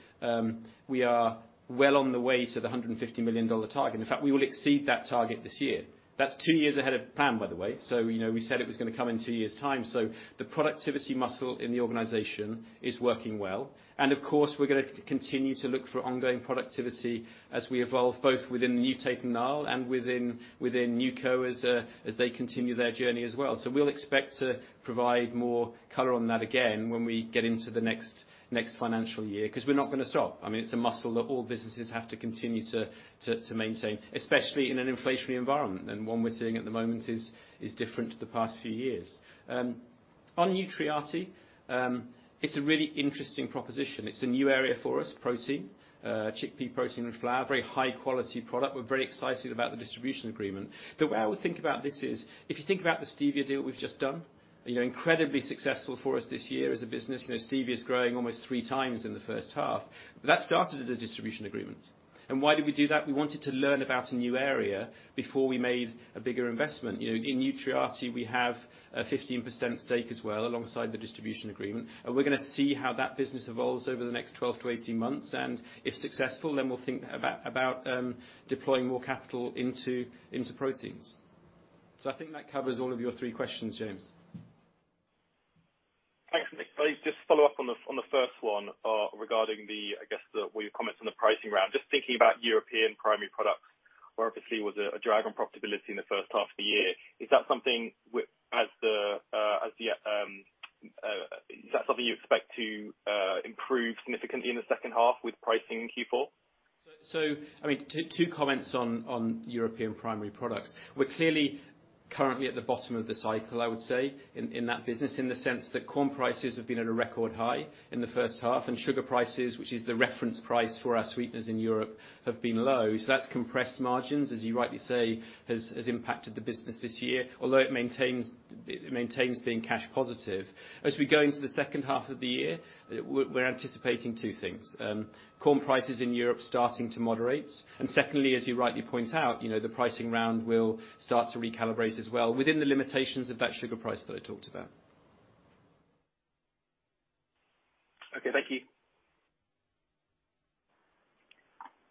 we are well on the way to the $150 million target. In fact, we will exceed that target this year. That's two years ahead of plan, by the way. You know, we said it was gonna come in two years' time. The productivity muscle in the organization is working well. Of course, we're gonna continue to look for ongoing productivity as we evolve, both within the new Tate & Lyle and within NewCo as they continue their journey as well. We'll expect to provide more color on that again when we get into the next financial year, 'cause we're not gonna stop. I mean, it's a muscle that all businesses have to continue to maintain, especially in an inflationary environment. One we're seeing at the moment is different to the past few years. On Nutriati, it's a really interesting proposition. It's a new area for us, protein, chickpea protein and flour, very high quality product. We're very excited about the distribution agreement. The way I would think about this is, if you think about the stevia deal we've just done, you know, incredibly successful for us this year as a business. You know, stevia is growing almost 3x in the H1. That started as a distribution agreement. Why did we do that? We wanted to learn about a new area before we made a bigger investment. You know, in Nutriati, we have a 15% stake as well alongside the distribution agreement, and we're gonna see how that business evolves over the next 12-18 months. If successful, then we'll think about deploying more capital into proteins. I think that covers all of your three questions, James. Thanks, Nick. I'll just follow up on the first one regarding, I guess, your comments on the pricing round. Just thinking about European Primary Products, where obviously was a drive on profitability in the H1 of the year. Is that something you expect to improve significantly in the H2 with pricing in Q4? I mean, two comments on European primary products. We're clearly currently at the bottom of the cycle, I would say, in that business, in the sense that corn prices have been at a record high in the H1, and sugar prices, which is the reference price for our sweeteners in Europe, have been low. That's compressed margins, as you rightly say, has impacted the business this year, although it maintains being cash positive. As we go into the H2 of the year, we're anticipating two things. Corn prices in Europe starting to moderate, and secondly, as you rightly point out, you know, the pricing round will start to recalibrate as well within the limitations of that sugar price that I talked about. Okay, thank you.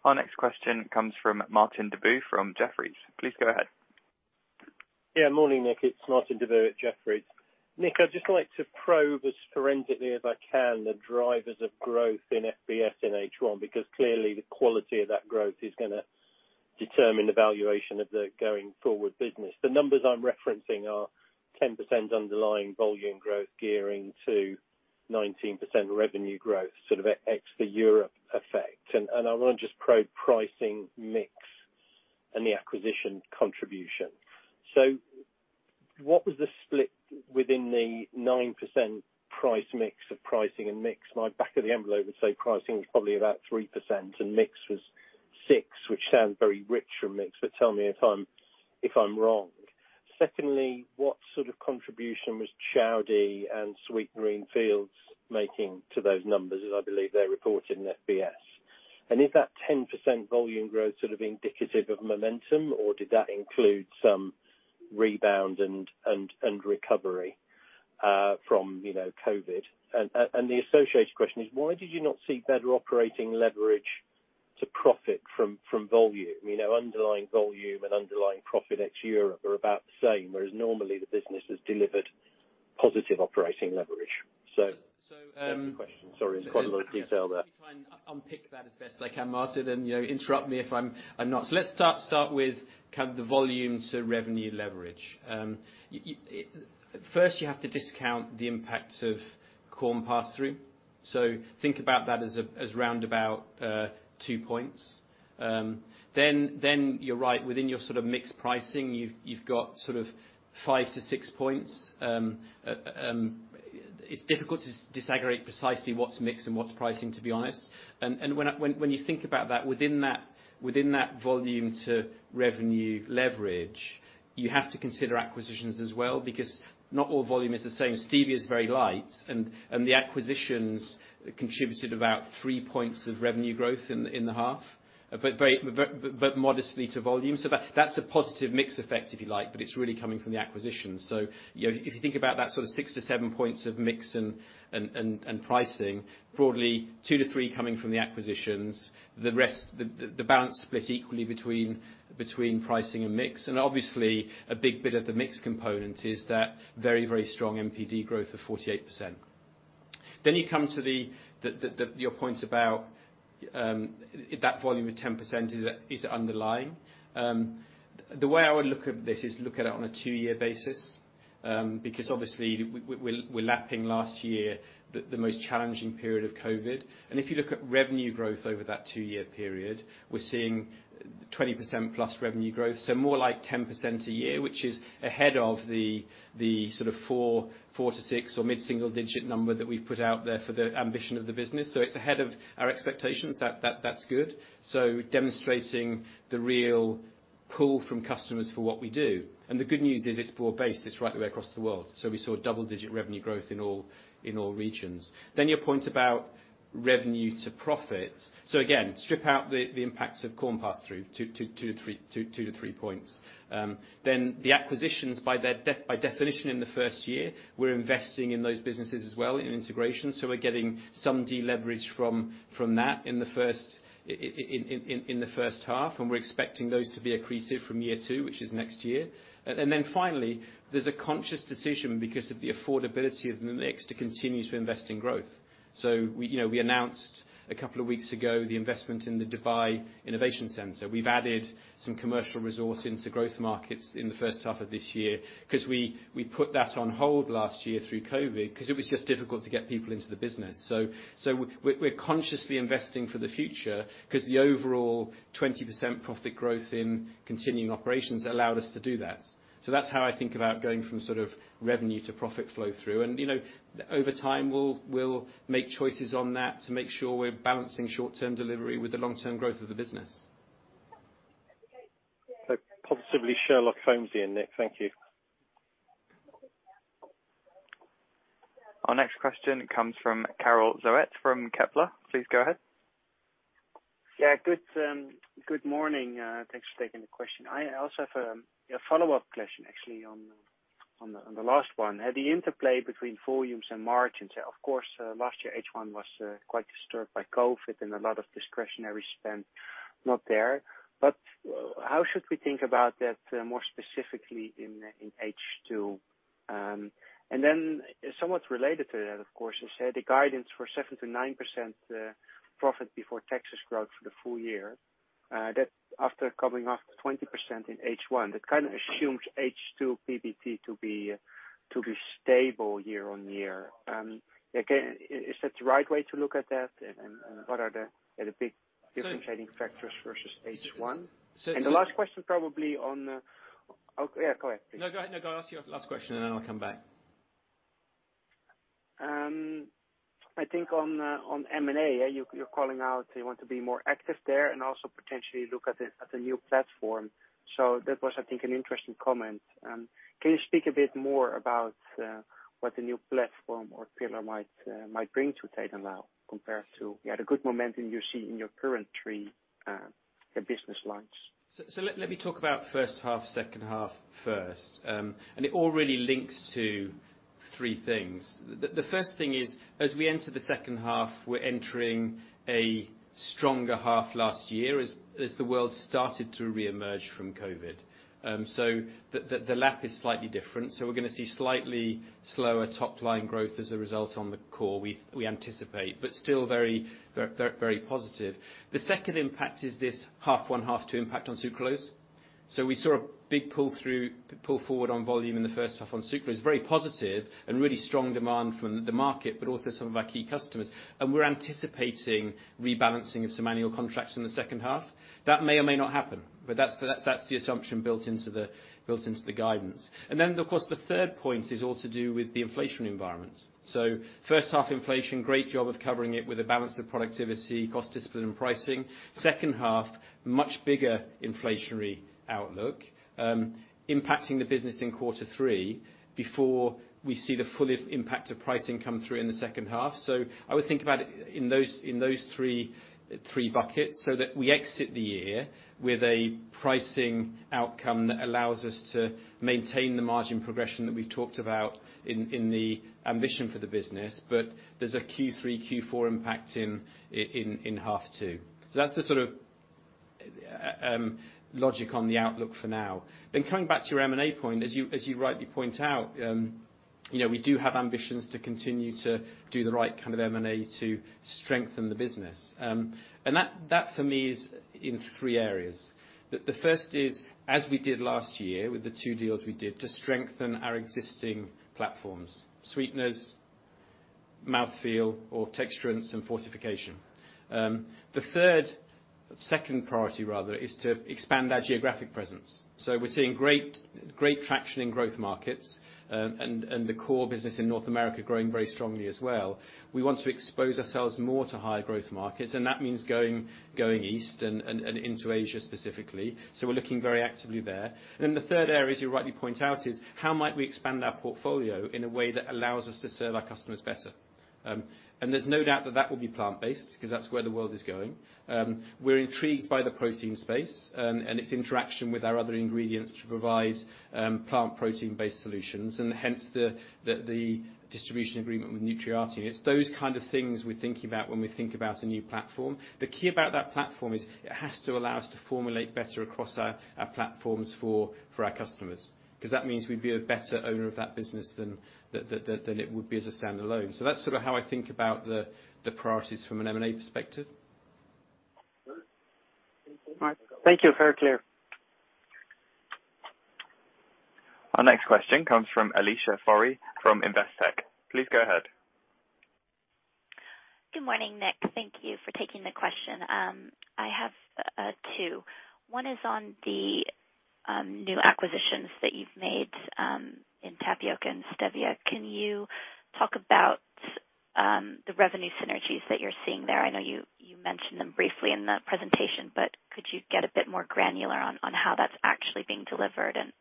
Our next question comes from Martin Deboo from Jefferies. Please go ahead. Yeah, morning, Nick. It's Martin Deboo at Jefferies. Nick, I'd just like to probe as forensically as I can the drivers of growth in FBS in H1, because clearly the quality of that growth is gonna determine the valuation of the going forward business. The numbers I'm referencing are 10% underlying volume growth gearing to 19% revenue growth, sort of ex the Europe effect. I wanna just probe pricing mix and the acquisition contribution. What was the split within the 9% price mix of pricing and mix? My back of the envelope would say pricing was probably about 3% and mix was 6%, which sounds very rich for mix, but tell me if I'm wrong. Secondly, what sort of contribution was Chaodee and Sweet Green Fields making to those numbers, as I believe they're reported in FBS? Is that 10% volume growth sort of indicative of momentum, or did that include some rebound and recovery from, you know, COVID? The associated question is, why did you not see better operating leverage to profit from volume? You know, underlying volume and underlying profit ex-Europe are about the same, whereas normally the business has delivered positive operating leverage. That's the question. Sorry, there's quite a lot of detail there. Let me try and unpick that as best I can, Martin, and you know, interrupt me if I'm not. Let's start with kind of the volume to revenue leverage. First you have to discount the impact of corn pass-through. Think about that as roundabout two points. Then you're right, within your sort of mix pricing, you've got sort of five-six points. It's difficult to disaggregate precisely what's mix and what's pricing, to be honest. When you think about that, within that volume to revenue leverage, you have to consider acquisitions as well because not all volume is the same. Stevia is very light and the acquisitions contributed about three points of revenue growth in the half, but very modestly to volume. That, that's a positive mix effect, if you like, but it's really coming from the acquisitions. You know, if you think about that sort of six-seven points of mix and pricing, broadly two-three coming from the acquisitions, the rest, the balance split equally between pricing and mix. Obviously, a big bit of the mix component is that very, very strong NPD growth of 48%. You come to your point about if that volume of 10% is underlying. The way I would look at this is look at it on a two-year basis, because obviously we're lapping last year, the most challenging period of COVID. If you look at revenue growth over that two-year period, we're seeing 20%+ revenue growth. More like 10% a year, which is ahead of the sort of four-six or mid-single digit number that we've put out there for the ambition of the business. It's ahead of our expectations. That's good. Demonstrating the real pull from customers for what we do. The good news is it's broad-based, it's right the way across the world. We saw double-digit revenue growth in all regions. Your point about revenue to profit. Again, strip out the impacts of corn pass-through, two-three points. The acquisitions by definition in the first year, we're investing in those businesses as well in integration. We're getting some deleverage from that in the H1, and we're expecting those to be accretive from year two, which is next year. Finally, there's a conscious decision because of the affordability of the mix to continue to invest in growth. We, you know, announced a couple of weeks ago the investment in the Dubai Innovation Center. We've added some commercial resource into growth markets in the H1 of this year 'cause we put that on hold last year through COVID 'cause it was just difficult to get people into the business. We're consciously investing for the future 'cause the overall 20% profit growth in continuing operations allowed us to do that. That's how I think about going from sort of revenue to profit flow through. You know, over time, we'll make choices on that to make sure we're balancing short-term delivery with the long-term growth of the business. Possibly Sherlock Holmes here, Nick. Thank you. Our next question comes from Karel Zoete from Kepler. Please go ahead. Yeah. Good morning. Thanks for taking the question. I also have a follow-up question actually on the last one, had the interplay between volumes and margins. Of course, last year, H1 was quite disturbed by COVID and a lot of discretionary spend not there. How should we think about that more specifically in H2? Then somewhat related to that, of course, you said the guidance for 7%-9% profit before tax growth for the full year. That, after coming off 20% in H1, kind of assumes H2 PBT to be stable year-on-year. Again, is that the right way to look at that? What are the big differentiating factors versus H1? Oh, yeah, go ahead, please. No, go ahead. No, go ask your last question, and then I'll come back. I think on M&A, yeah, you're calling out you want to be more active there and also potentially look at the new platform. That was, I think, an interesting comment. Can you speak a bit more about what the new platform or pillar might bring to Tate & Lyle compared to, you had a good momentum you see in your current three business lines. Let me talk about H1, H2 first. It all really links to three things. The first thing is, as we enter the H2, we're entering a stronger half last year as the world started to reemerge from COVID. The lap is slightly different, so we're gonna see slightly slower top line growth as a result on the core, we anticipate, but still very positive. The second impact is this H1, H2 impact on sucralose. We saw a big pull through, pull forward on volume in the H1 on sucralose. Very positive and really strong demand from the market, but also some of our key customers. We're anticipating rebalancing of some annual contracts in the H2. That may or may not happen, but that's the assumption built into the guidance. Of course, the third point is all to do with the inflation environment. H1 inflation, great job of covering it with a balance of productivity, cost discipline and pricing. H2, much bigger inflationary outlook, impacting the business in quarter three before we see the full impact of pricing come through in the H2. I would think about it in those three buckets, so that we exit the year with a pricing outcome that allows us to maintain the margin progression that we've talked about in the ambition for the business. There's a Q three, Q four impact in half two. That's the sort of logic on the outlook for now. Coming back to your M&A point, as you rightly point out, we do have ambitions to continue to do the right kind of M&A to strengthen the business. That for me is in three areas. The first is, as we did last year with the two deals we did, to strengthen our existing platforms, sweeteners, mouthfeel or texturants and fortification. The second priority rather is to expand our geographic presence. We're seeing great traction in growth markets, and the core business in North America growing very strongly as well. We want to expose ourselves more to higher growth markets, and that means going east and into Asia specifically. We're looking very actively there. Then the third area, as you rightly point out, is how might we expand our portfolio in a way that allows us to serve our customers better? There's no doubt that that will be plant-based, 'cause that's where the world is going. We're intrigued by the protein space and its interaction with our other ingredients to provide plant protein-based solutions, and hence the distribution agreement with Nutriati. It's those kind of things we're thinking about when we think about a new platform. The key about that platform is it has to allow us to formulate better across our platforms for our customers. 'Cause that means we'd be a better owner of that business than it would be as a standalone. That's sort of how I think about the priorities from an M&A perspective. All right. Thank you. Very clear. Our next question comes from Alicia Forry from Investec. Please go ahead. Good morning, Nick. Thank you for taking the question. I have two. One is on the new acquisitions that you've made in tapioca and stevia. Can you talk about the revenue synergies that you're seeing there? I know you mentioned them briefly in the presentation, but could you get a bit more granular on how that's actually being delivered and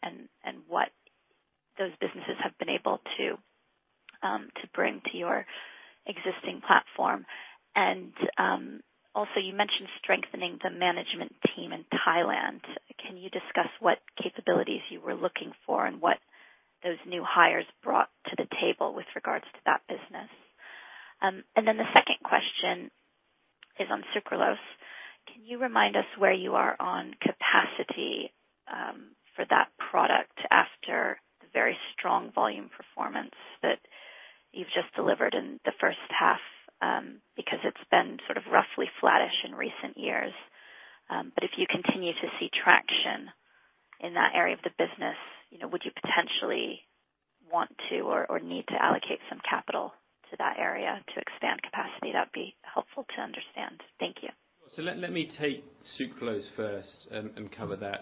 what those businesses have been able to bring to your existing platform? Also, you mentioned strengthening the management team in Thailand. Can you discuss what capabilities you were looking for and what those new hires brought to the table with regards to that business? The second question is on sucralose. Can you remind us where you are on capacity for that product after the very strong volume performance that you've just delivered in the H1, because it's been sort of roughly flattish in recent years. If you continue to see traction in that area of the business, you know, would you potentially want to or need to allocate some capital to that area to expand capacity? That'd be helpful to understand. Thank you. Let me take sucralose first and cover that.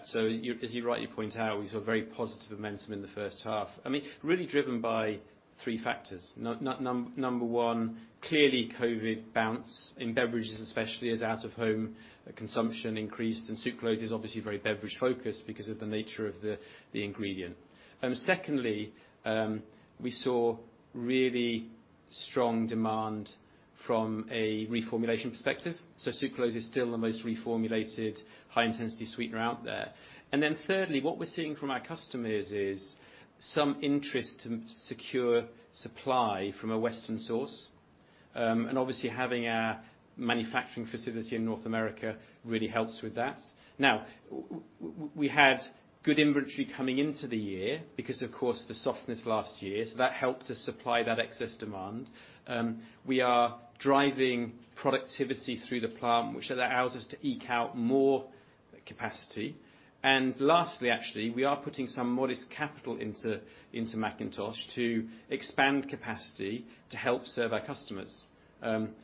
As you rightly point out, we saw very positive momentum in the H1. I mean, really driven by three factors. Number one, clearly COVID bounce in beverages especially as out of home consumption increased, and sucralose is obviously very beverage focused because of the nature of the ingredient. Secondly, we saw really strong demand from a reformulation perspective. Sucralose is still the most reformulated high intensity sweetener out there. Thirdly, what we're seeing from our customers is some interest to secure supply from a Western source. Obviously having our manufacturing facility in North America really helps with that. We had good inventory coming into the year because of course, the softness last year, so that helped us supply that excess demand. We are driving productivity through the plant, which allows us to eke out more capacity. Lastly, actually, we are putting some modest capital into McIntosh to expand capacity to help serve our customers.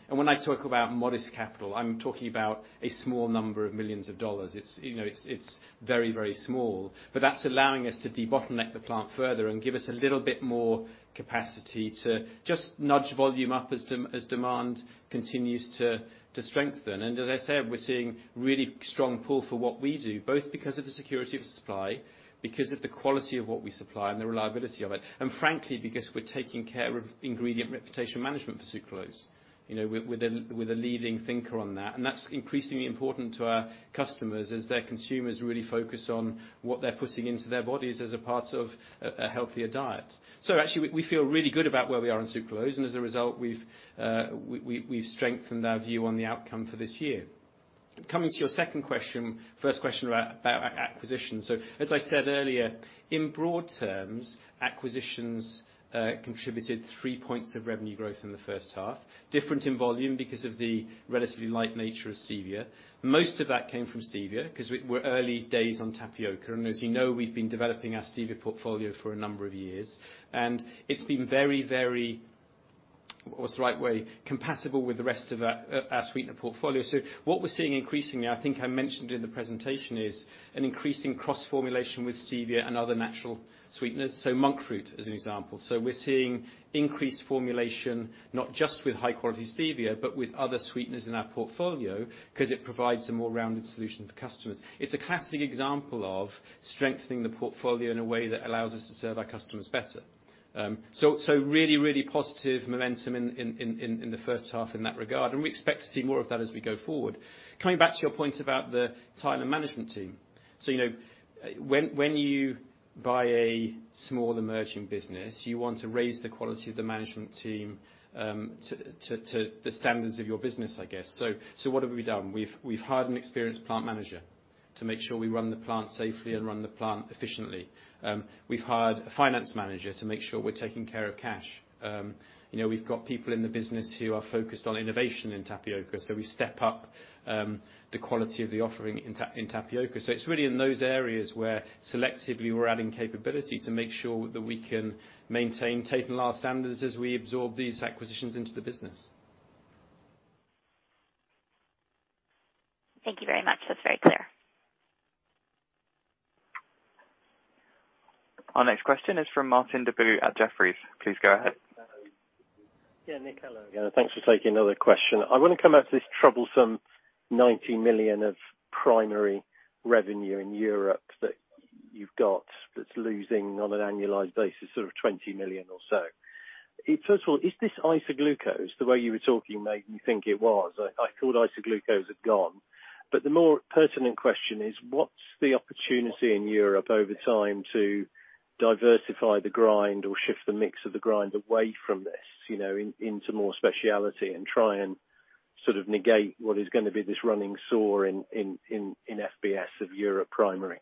When I talk about modest capital, I'm talking about a small number of $ millions. It's, you know, it's very small. That's allowing us to debottleneck the plant further and give us a little bit more capacity to just nudge volume up as demand continues to strengthen. As I said, we're seeing really strong pull for what we do, both because of the security of supply, because of the quality of what we supply and the reliability of it. Frankly, because we're taking care of ingredient reputation management for sucralose. You know, we're the leading thinker on that, and that's increasingly important to our customers as their consumers really focus on what they're putting into their bodies as a part of a healthier diet. Actually we feel really good about where we are in sucralose, and as a result, we've strengthened our view on the outcome for this year. Coming to your second question, first question about acquisitions. As I said earlier, in broad terms, acquisitions contributed 3 points of revenue growth in the H1, different in volume because of the relatively light nature of stevia. Most of that came from stevia 'cause we're early days on tapioca. As you know, we've been developing our stevia portfolio for a number of years. It's been very, what's the right way? Compatible with the rest of our sweetener portfolio. What we're seeing increasingly, I think I mentioned in the presentation, is an increasing cross-formulation with stevia and other natural sweeteners. Monk fruit, as an example. We're seeing increased formulation, not just with high quality stevia, but with other sweeteners in our portfolio 'cause it provides a more rounded solution for customers. It's a classic example of strengthening the portfolio in a way that allows us to serve our customers better. Really positive momentum in the H1 in that regard, and we expect to see more of that as we go forward. Coming back to your point about the Thailand management team. you know, when you buy a small emerging business, you want to raise the quality of the management team, to the standards of your business, I guess. What have we done? We've hired an experienced plant manager to make sure we run the plant safely and run the plant efficiently. We've hired a finance manager to make sure we're taking care of cash. You know, we've got people in the business who are focused on innovation in tapioca, so we step up the quality of the offering in tapioca. It's really in those areas where selectively we're adding capability to make sure that we can maintain Tate & Lyle standards as we absorb these acquisitions into the business. Thank you very much. That's very clear. Our next question is from Martin Deboo at Jefferies. Please go ahead. Yeah, Nick, hello again. Thanks for taking another question. I wanna come back to this troublesome 90 million of primary revenue in Europe that you've got that's losing on an annualized basis, sort of 20 million or so. First of all, is this isoglucose? The way you were talking made me think it was. I thought isoglucose had gone. The more pertinent question is, what's the opportunity in Europe over time to diversify the grind or shift the mix of the grind away from this, you know, in, into more specialty and try and sort of negate what is gonna be this running sore in FBS of Europe Primary?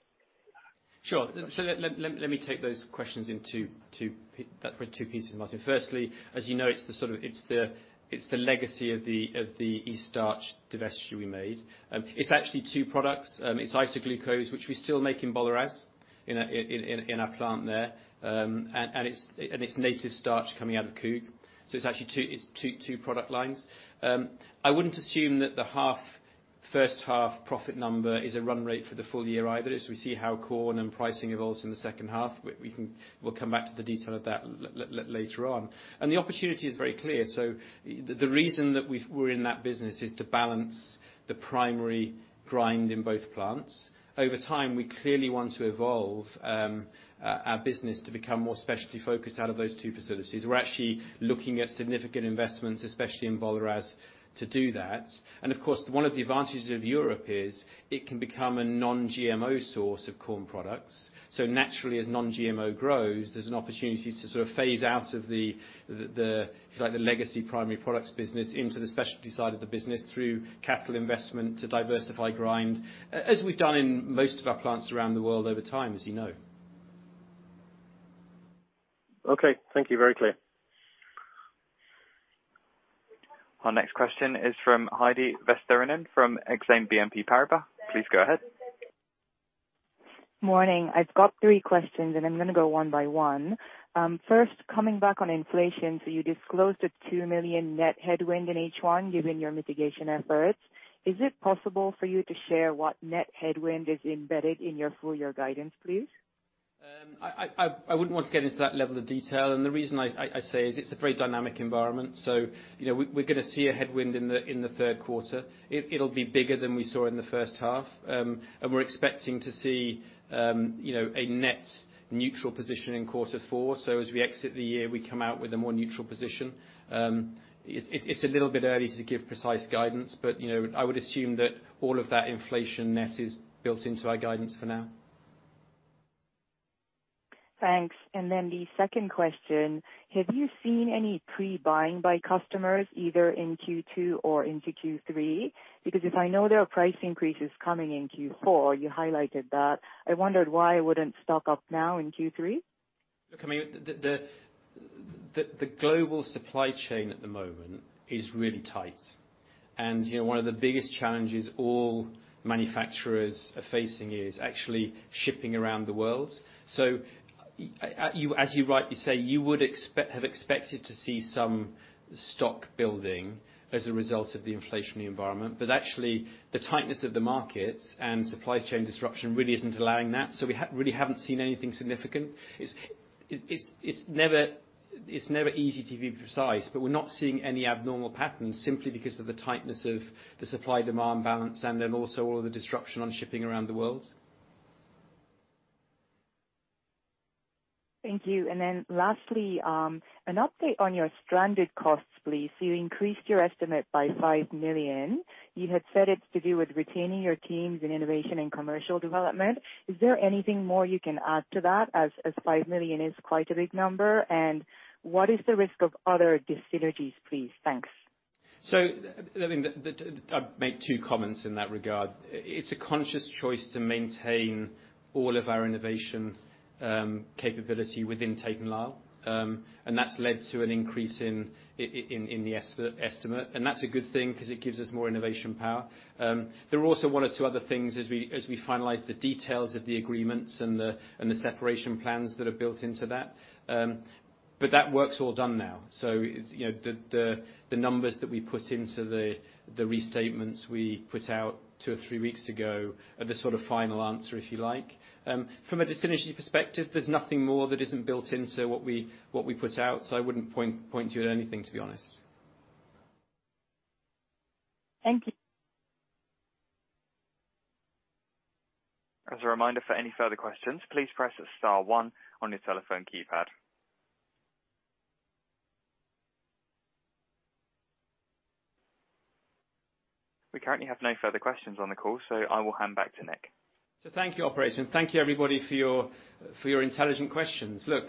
Sure. Let me take those questions in two pieces, Martin. Firstly, as you know, it's the legacy of the Eaststarch divestiture we made. It's actually two products. It's isoglucose, which we still make in Boleráz in our plant there. It's native starch coming out of Koog. It's actually two product lines. I wouldn't assume that the H1 profit number is a run rate for the full year either. As we see how corn and pricing evolves in the H2, we'll come back to the detail of that later on. The opportunity is very clear. The reason that we're in that business is to balance the primary grind in both plants. Over time, we clearly want to evolve our business to become more specialty focused out of those two facilities. We're actually looking at significant investments, especially in Boleráz to do that. Of course, one of the advantages of Europe is it can become a non-GMO source of corn products. Naturally, as non-GMO grows, there's an opportunity to sort of phase out of the like the legacy primary products business into the specialty side of the business through capital investment to diversify grind, as we've done in most of our plants around the world over time, as you know. Okay, thank you. Very clear. Our next question is from Heidi Vesterinen from Exane BNP Paribas. Please go ahead. Morning. I've got three questions, and I'm gonna go one by one. First, coming back on inflation, you disclosed a 2 million net headwind in H1, given your mitigation efforts. Is it possible for you to share what net headwind is embedded in your full year guidance, please? I wouldn't want to get into that level of detail. The reason I say is it's a very dynamic environment, so you know, we're gonna see a headwind in the Q3. It'll be bigger than we saw in the H1. We're expecting to see you know, a net neutral position in quarter four. As we exit the year, we come out with a more neutral position. It's a little bit early to give precise guidance, but you know, I would assume that all of that inflation net is built into our guidance for now. Thanks. The second question, have you seen any pre-buying by customers, either in Q2 or into Q3? Because if I know there are price increases coming in Q4, you highlighted that, I wondered why I wouldn't stock up now in Q3. Look, I mean, the global supply chain at the moment is really tight. You know, one of the biggest challenges all manufacturers are facing is actually shipping around the world. As you rightly say, you would have expected to see some stock building as a result of the inflationary environment. Actually, the tightness of the markets and supply chain disruption really isn't allowing that. We really haven't seen anything significant. It's never easy to be precise, but we're not seeing any abnormal patterns simply because of the tightness of the supply-demand balance and then also all of the disruption on shipping around the world. Thank you. Then lastly, an update on your stranded costs, please. You increased your estimate by 5 million. You had said it's to do with retaining your teams in innovation and commercial development. Is there anything more you can add to that as 5 million is quite a big number? What is the risk of other dyssynergies, please? Thanks. I mean, I'll make two comments in that regard. It's a conscious choice to maintain all of our innovation capability within Tate & Lyle. And that's led to an increase in the estimate, and that's a good thing 'cause it gives us more innovation power. There are also one or two other things as we finalize the details of the agreements and the separation plans that are built into that. But that work's all done now. You know, the numbers that we put into the restatements we put out two or three weeks ago are the sort of final answer, if you like. From a dyssynergy perspective, there's nothing more that isn't built into what we put out, so I wouldn't point you at anything, to be honest. Thank you. As a reminder, for any further questions, please press star one on your telephone keypad. We currently have no further questions on the call, so I will hand back to Nick. Thank you, operator, and thank you everybody for your intelligent questions. Look,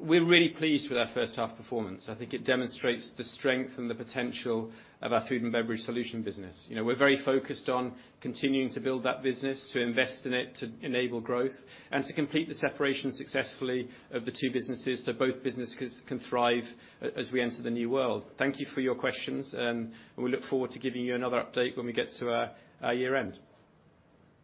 we're really pleased with our H1 performance. I think it demonstrates the strength and the potential of our Food & Beverage Solutions business. You know, we're very focused on continuing to build that business, to invest in it, to enable growth, and to complete the separation successfully of the two businesses so both businesses can thrive as we enter the new world. Thank you for your questions, and we look forward to giving you another update when we get to our year-end.